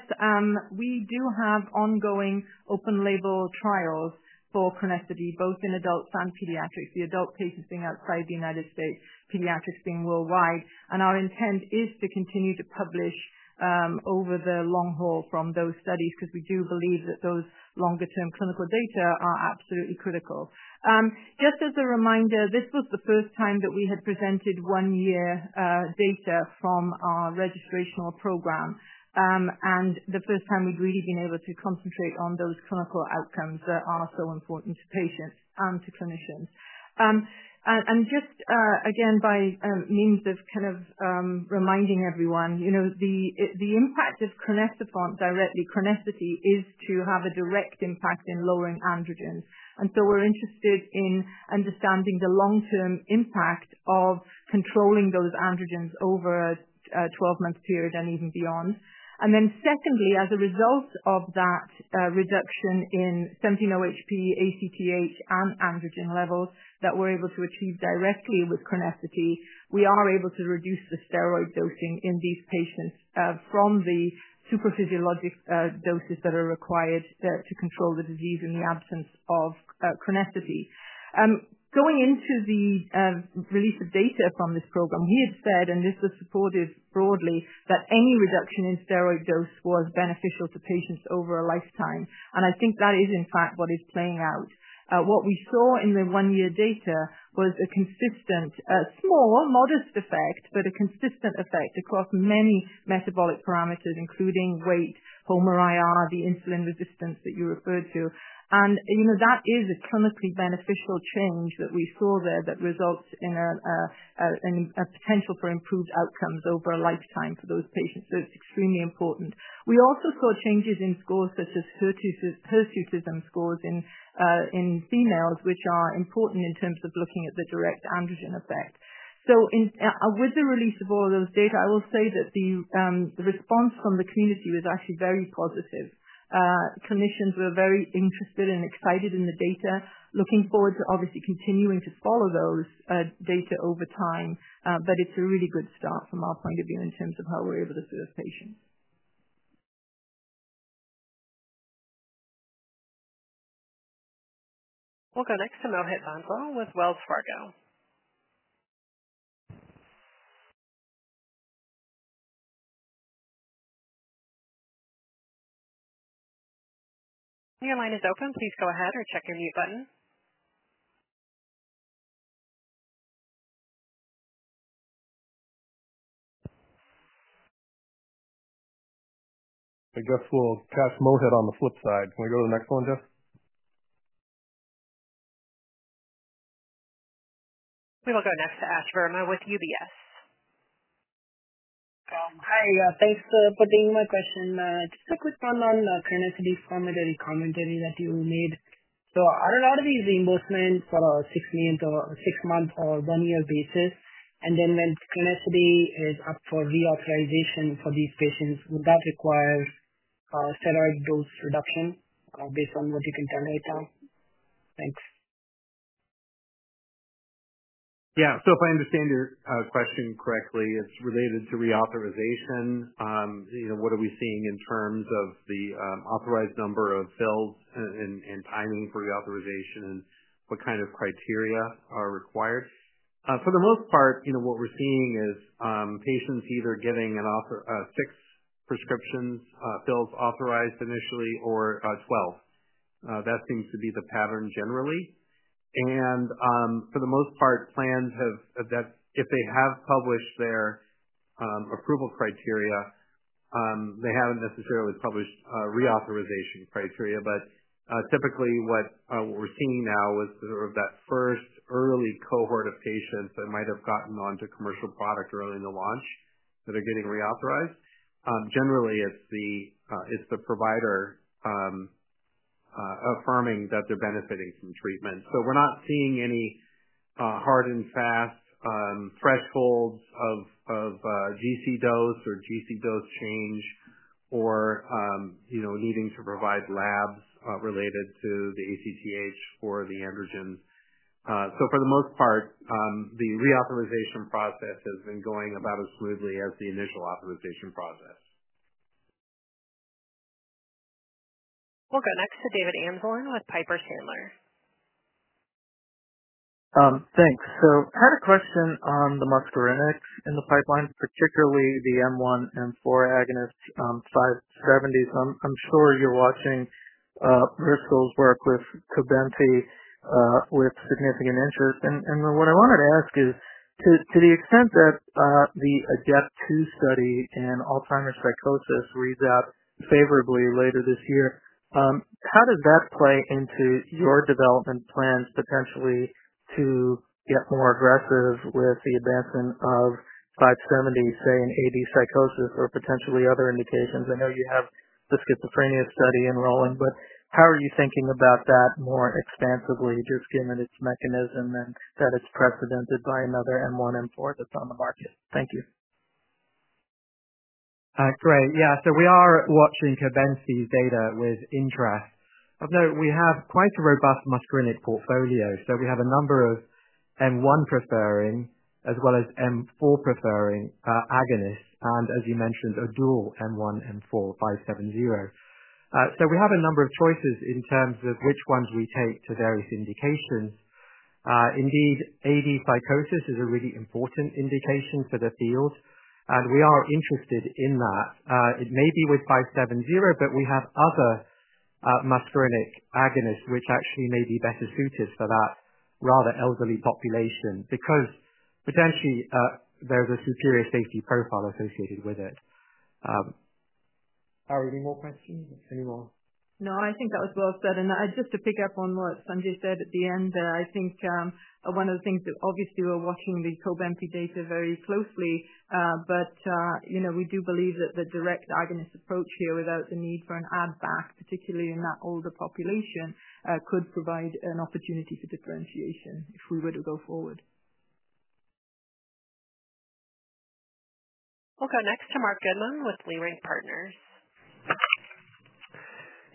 we do have ongoing open-label trials for CRENESSITY, both in adults and pediatrics, the adult cases being outside the United States, pediatrics being worldwide. Our intent is to continue to publish over the long haul from those studies because we do believe that those longer-term clinical data are absolutely critical. Just as a reminder, this was the first time that we had presented one-year data from our registrational program and the first time we've really been able to concentrate on those clinical outcomes that are so important to patients and to clinicians. Just again, by means of kind of reminding everyone, you know the impact of crenecerfont directly, CRENESSITY is to have a direct impact in lowering androgens. We're interested in understanding the long-term impact of controlling those androgens over a 12-month period and even beyond. Secondly, as a result of that reduction in [HPA], ACTH, and androgen level that we're able to achieve directly with CRENESSITY, we are able to reduce the steroid dosing in these patients from the supraphysiologic doses that are required to control the disease in the absence of CRENESSITY. Going into the release of data from this program, we had said, and this was supported broadly, that any reduction in steroid dose was beneficial to patients over a lifetime. I think that is, in fact, what is playing out. What we saw in the one-year data was a consistent, small, modest effect, but a consistent effect across many metabolic parameters, including weight, HOMA-IR, the insulin resistance that you referred to. That is a clinically beneficial change that we saw there that results in a potential for improved outcomes over a lifetime for those patients. It's extremely important. We also saw changes in scores such as hirsutism scores in females, which are important in terms of looking at the direct androgen effect. With the release of all of those data, I will say that the response from the community was actually very positive. Clinicians were very interested and excited in the data, looking forward to obviously continuing to follow those data over time. It's a really good start from our point of view in terms of how we're able to serve patients. We'll go next to Mohit Bansal with Wells Fargo. Your line is open. Please go ahead or check your mute button. I guess we'll pass Mohit on the flip side. Can we go to the next one, Jess? We will go next to Ash Verma with UBS. Hi. Thanks for taking my question. Just a quick one on the CRENESSITY form that you commented that you need. A lot of these reimbursements are on a [16 or six] month or 1-year basis. When CRENESSITY is up for reauthorization for these patients, would that require a steroid dose reduction based on what you can tell right now? Thanks. Yeah. If I understand your question correctly, it's related to reauthorization. You know, what are we seeing in terms of the authorized number of fills and timing for reauthorization and what kind of criteria are required? For the most part, you know what we're seeing is patients either getting 6 prescription fills authorized initially or 12. That seems to be the pattern generally. For the most part, plans have, if they have published their approval criteria, they haven't necessarily published reauthorization criteria. Typically, what we're seeing now is sort of that first early cohort of patients that might have gotten onto commercial product early in the launch that are getting reauthorized. Generally, it's the provider affirming that they're benefiting from treatment. We're not seeing any hard and fast thresholds of GC dose or GC dose change or needing to provide labs related to the ACTH or the androgen. For the most part, the reauthorization process has been going about as smoothly as the initial authorization process. We'll go next to David Amsellem with Piper Sandler. Thank you. I had a question on the muscarinics in the pipeline, particularly the M1/M4 agonists 570. I'm sure you're watching recent work with Cobenfy with significant interest. What I wanted to ask is, to the extent that the ADEPT-2 study in Alzheimer's psychosis reads out favorably later this year, how does that play into your development plans, potentially to get more aggressive with the advancement of 570, say, in AD psychosis or potentially other indications? I know you have the schizophrenia study enrolling, but how are you thinking about that more expansively, just given its mechanism and that it's precedented by another M1/M4 that's on the market? Thank you. Hi, [Correct]. Yeah, we are watching Cobenfy's data with interest. Of note, we have quite a robust muscarinic portfolio. We have a number of M1 preferring as well as M4 preferring agonists, and as you mentioned, a dual M1/M4 570. We have a number of choices in terms of which ones we take to various indications. Indeed, AD psychosis is a really important indication for the field. We are interested in that. It may be with 570, but we have other muscarinic agonists which actually may be better suited for that rather elderly population because potentially there's a superior safety profile associated with it. Are there any more questions? Any more? No, I think that was well said. Just to pick up on what Sanjay said at the end there, I think one of the things that obviously we're watching the Cobenfy data very closely. We do believe that the direct agonist approach here without the need for an add-back, particularly in that older population, could provide an opportunity for differentiation if we were to go forward. We'll go next to Marc Goodman with Leerink Partners.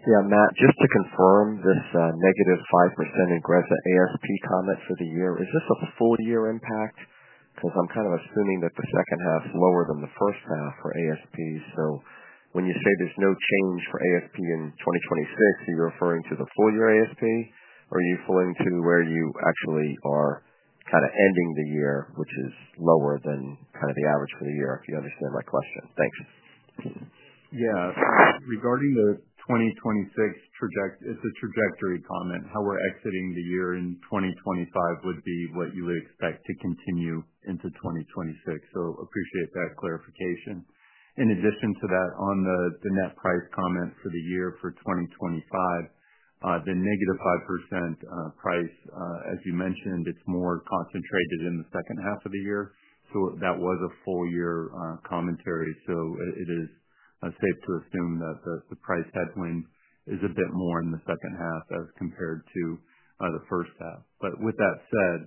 Yeah, Matt. Just to confirm, this -5% INGREZZA ASP comments for the year, is this a full-year impact? I'm kind of assuming that the second half is lower than the first half for ASPs. When you say there's no change for ASP in 2026, are you referring to the full-year ASP, or are you referring to where you actually are kind of ending the year, which is lower than kind of the average for the year, if you understand my question? Thanks. Yeah. Regarding the 2026, it's a trajectory comment. How we're exiting the year in 2025 would be what you would expect to continue into 2026. I appreciate that clarification. In addition to that, on the net price comment for the year for 2025, the -5% price, as you mentioned, it's more concentrated in the second half of the year. That was a full-year commentary. It is safe to assume that the price headwind is a bit more in the second half as compared to the first half. With that said,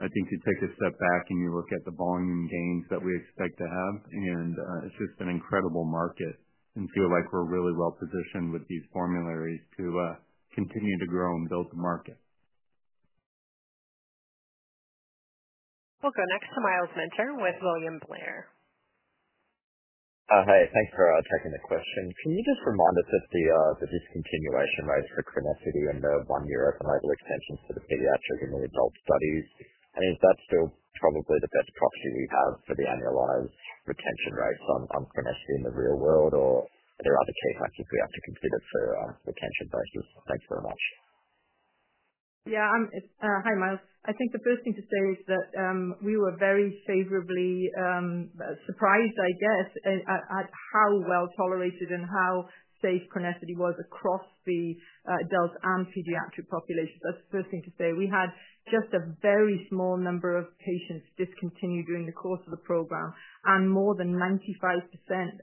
I think you take a step back and you look at the volume gains that we expect to have, and it's just an incredible market. I feel like we're really well positioned with these formularies to continue to grow and build the market. We'll go next to Myles Minter with William Blair. Hi. Thanks for taking the question. Can you just remind us of the discontinuation rates for CRENESSITY and the one-year open-label extensions for the pediatric and the adult studies? Is that still probably the best proxy we have for the annualized retention rates on CRENESSITY in the real world, or are there other KPIs we have to consider for retention prices? Thanks very much. Yeah. Hi, Myles. I think the first thing to say is that we were very favorably surprised, I guess, at how well tolerated and how safe CRENESSITY was across the adult and pediatric populations. That's the first thing to say. We had just a very small number of patients discontinue during the course of the program. More than 95%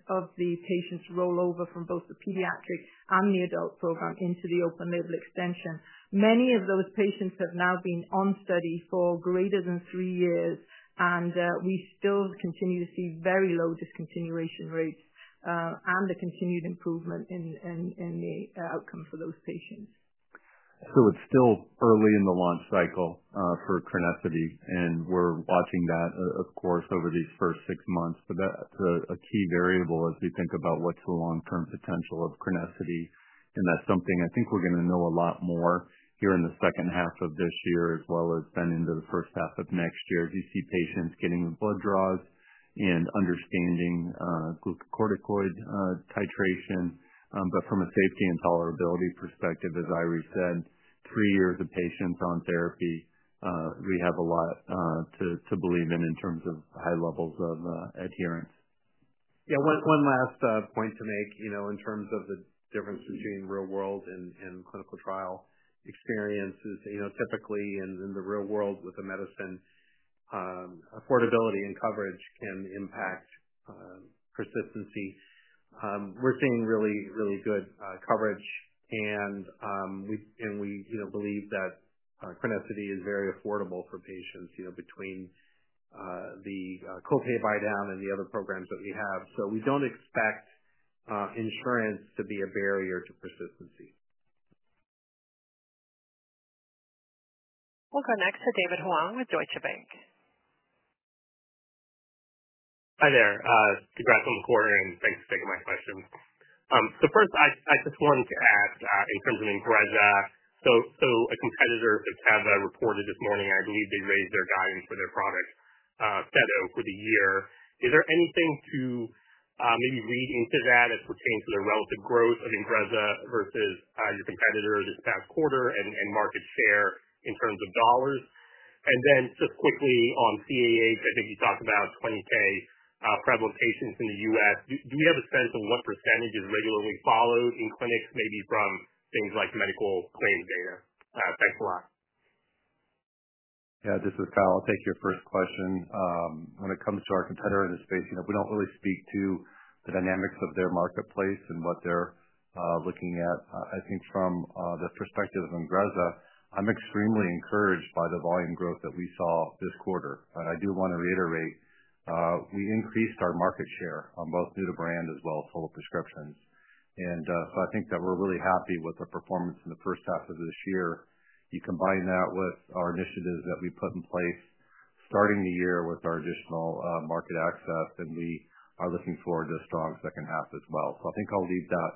of the patients rollover from both the pediatric and the adult program into the open-label extension. Many of those patients have now been on study for greater than three years, and we still continue to see very low discontinuation rates and the continued improvement in the outcome for those patients. It is still early in the launch cycle for CRENESSITY, and we're watching that, of course, over these first six months. That is a key variable as we think about what is the long-term potential of CRENESSITY. That is something I think we're going to know a lot more about here in the second half of this year as well as into the first half of next year as you see patients getting the blood draws and understanding glucocorticoid titration. From a safety and tolerability perspective, as Eiry said, three years of patients on therapy, we have a lot to believe in in terms of high levels of adherence. Yeah, one last point to make, you know, in terms of the difference between real-world and clinical trial experiences, you know, typically in the real world with the medicine, affordability and coverage can impact persistency. We're seeing really, really good coverage, and we believe that CRENESSITY is very affordable for patients, you know, between the copay buy-down and the other programs that we have. We don't expect insurance to be a barrier to persistency. We'll go next to David Huang with Deutsche Bank. Hi there. Congrats on the quarter, and thanks for taking my question. First, I just wanted to ask in terms of INGREZZA, a competitor, I think Teva reported this morning, I believe they raised their value for their product for the year. Is there anything to maybe read into that as pertaining to the relative growth of INGREZZA versus your competitor this past quarter and market share in terms of dollars? Quickly on CAH, I think you talked about 20,000 prevalent patients in the U.S. Do we have a sense of what percentage is regularly followed in clinics, maybe from things like medical claims data? Thanks a lot. Yeah, this is Kyle. I'll take your first question. When it comes to our competitor in this space, you know, we don't really speak to the dynamics of their marketplace and what they're looking at. I think from the perspective of INGREZZA, I'm extremely encouraged by the volume growth that we saw this quarter. I do want to reiterate, we increased our market share on both new-to-brand as well as total prescriptions. I think that we're really happy with the performance in the first half of this year. You combine that with our initiatives that we put in place starting the year with our additional market access, we are looking forward to a strong second half as well. I think I'll leave that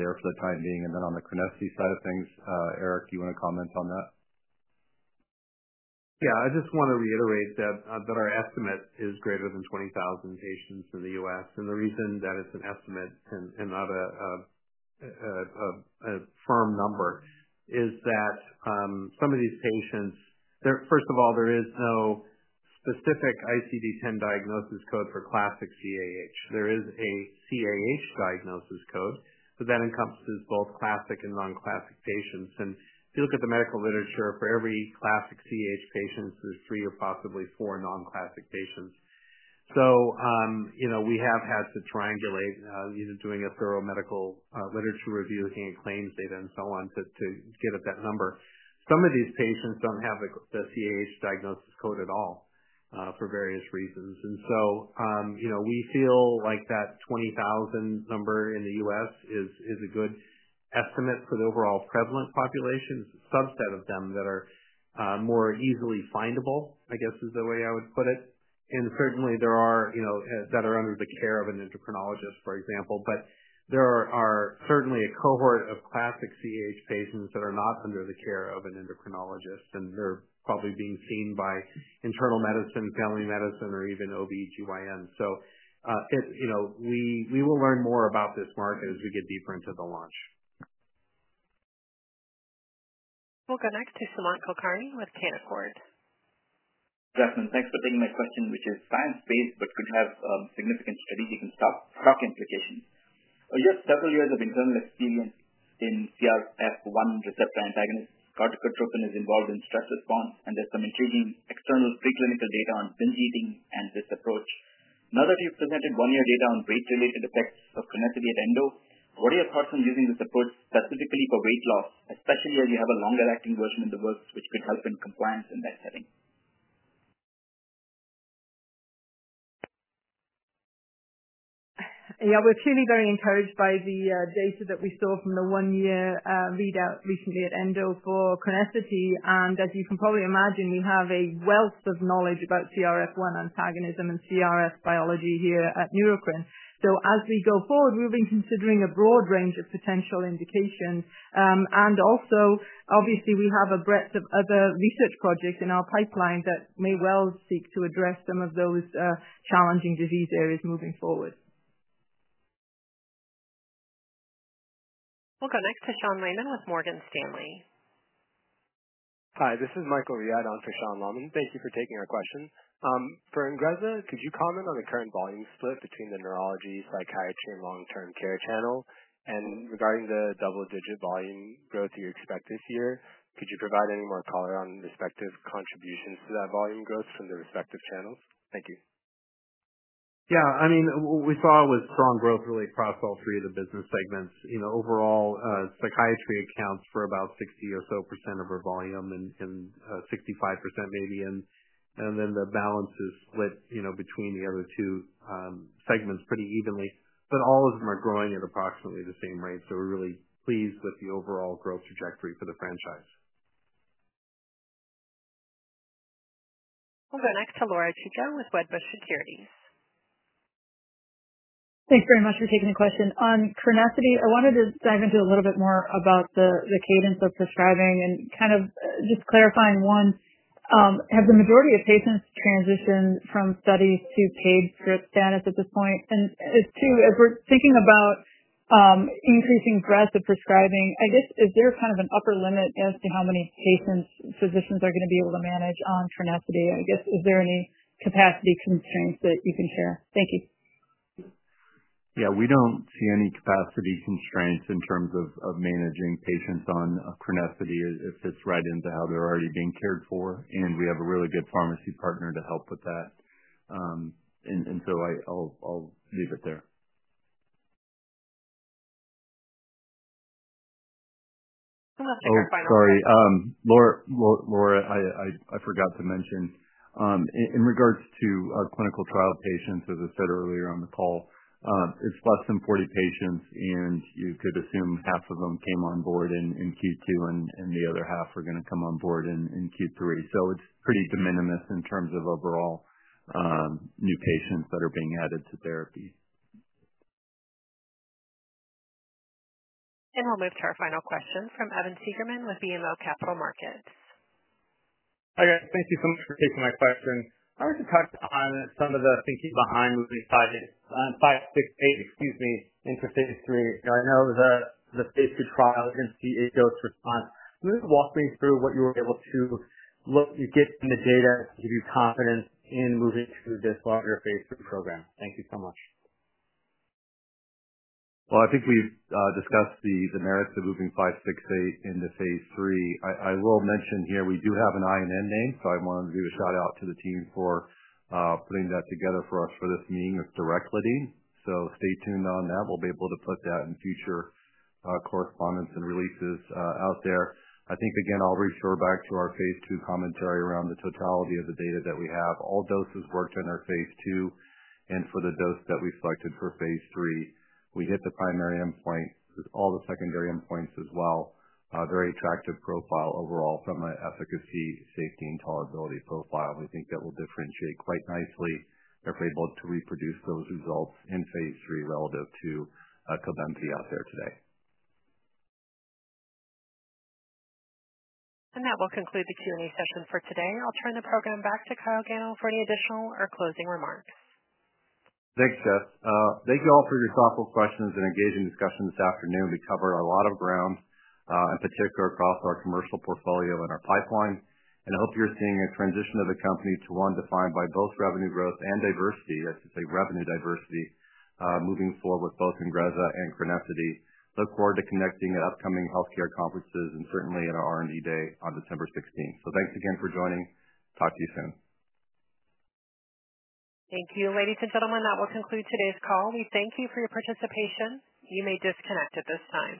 there for the time being. On the CRENESSITY side of things, Eric, do you want to comment on that? Yeah, I just want to reiterate that our estimate is greater than 20,000 patients in the U.S. The reason that it's an estimate and not a firm number is that some of these patients, first of all, there is no specific ICD-10 diagnosis code for classic CAH. There is a CAH diagnosis code that then encompasses both classic and non-classic patients. If you look at the medical literature, for every classic CAH patient, there's three or possibly four non-classic patients. We have had to triangulate, either doing a thorough medical literature review, looking at claims data, and so on to get at that number. Some of these patients don't have the CAH diagnosis code at all for various reasons. We feel like that 20,000 number in the U.S. is a good estimate for the overall prevalent population. It's a subset of them that are more easily findable, I guess, is the way I would put it. Certainly, there are, you know, that are under the care of an Endocrinologist, for example. There are certainly a cohort of classic CAH patients that are not under the care of an Endocrinologist, and they're probably being seen by internal medicine, family medicine, or even OB/GYN. We will learn more about this market as we get deeper into the launch. We'll go next to [Saman Tocari] with Canaccord. Jasmine, thanks for taking my question, which is science-based, but could have significant studies and stock implications. I just have several years of internal experience in CRF-1 receptor antagonist. Corticotropin is involved in stress response, and there's some intriguing external preclinical data on binge eating and this approach. Now that you've presented one-year data on weight-related effects of CRENESSITY at ENDO, what are your thoughts on using this approach specifically for weight loss, especially where you have a longer-acting version in the works, which could help in compliance in that setting? Yeah, we're truly very encouraged by the data that we saw from the one-year readout recently at ENDO for CRENESSITY. As you can probably imagine, we have a wealth of knowledge about CRF-1 antagonism and CRF biology here at Neurocrine. As we go forward, we've been considering a broad range of potential indications. Obviously, we have a breadth of other research projects in our pipeline that may well seek to address some of those challenging disease areas moving forward. We'll go next to Sean Langley with Morgan Stanley. Hi, this is Michael Riad on for Sean Langley. Thank you for taking our question. For INGREZZA, could you comment on the current volume split between the neurology, psychiatry, and long-term care channel? Regarding the double-digit volume growth that you expect this year, could you provide any more color on the respective contributions to that volume growth from the respective channels? Thank you. Yeah, I mean, what we saw was strong growth really across all three of the business segments. Overall, psychiatry accounts for about 60% or so of our volume and 65% maybe. The balance is split between the other two segments pretty evenly. All of them are growing at approximately the same rate. We're really pleased with the overall growth trajectory for the franchise. We'll go next to [Laura Tico with Weber Securities]. Thanks very much for taking the question. On CRENESSITY, I wanted to dive into a little bit more about the cadence of prescribing and just clarifying, one, have the majority of patients transitioned from studies to [TID] script status at this point? If we're thinking about increasing breadth of prescribing, is there kind of an upper limit as to how many patients physicians are going to be able to manage on CRENESSITY? Is there any capacity constraints that you can share? Thank you. Yeah, we don't see any capacity constraints in terms of managing patients on CRENESSITY if it fits right into how they're already being cared for. We have a really good pharmacy partner to help with that. I'll leave it there. Sorry, Laura, I forgot to mention, in regards to our clinical trial patients, as I said earlier on the call, it's less than 40 patients, and you could assume half of them came on board in Q2, and the other half are going to come on board in Q3. It's pretty de minimis in terms of overall new patients that are being added to therapy. We will move to our final question from Evan Seigerman with BMO Capital Markets. Hi guys, thank you so much for taking my question. I wanted to talk to Kyle on some of the thinking behind moving [NBI-568] into the space through trials and CAH to respond. Can you walk me through what you were able to look at in the data to give you confidence in moving through this larger phase III program? Thank you so much. I think we've discussed the merits of moving NBI-568 into phase III. I will mention here we do have an INN name, so I wanted to give a shout out to the team for putting that together for us for this meeting of direct letting. Stay tuned on that. We'll be able to put that in future correspondence and releases out there. I think, again, I'll reassure back to our phase II commentary around the totality of the data that we have. All doses worked in our phase II, and for the dose that we selected for phase III, we hit the primary endpoints, all the secondary endpoints as well. Very attractive profile overall from an efficacy, safety, and tolerability profile. We think that will differentiate quite nicely if we're able to reproduce those results in phase III relative to CRENESSITY out there today. That will conclude the Q&A session for today. I'll turn the program back to Kyle Gano for any additional or closing remarks. Thanks, Jess. Thank you all for your thoughtful questions and engaging discussion this afternoon. We covered a lot of ground, in particular across our commercial portfolio and our pipeline. I hope you're seeing a transition of the company to one defined by both revenue growth and diversity. I should say revenue diversity, moving forward, both in INGREZZA and CRENESSITY, look forward to connecting at upcoming healthcare conferences and certainly at our R&D day on December 16th. Thanks again for joining. Talk to you soon. Thank you, ladies and gentlemen. That will conclude today's call. We thank you for your participation. You may disconnect at this time.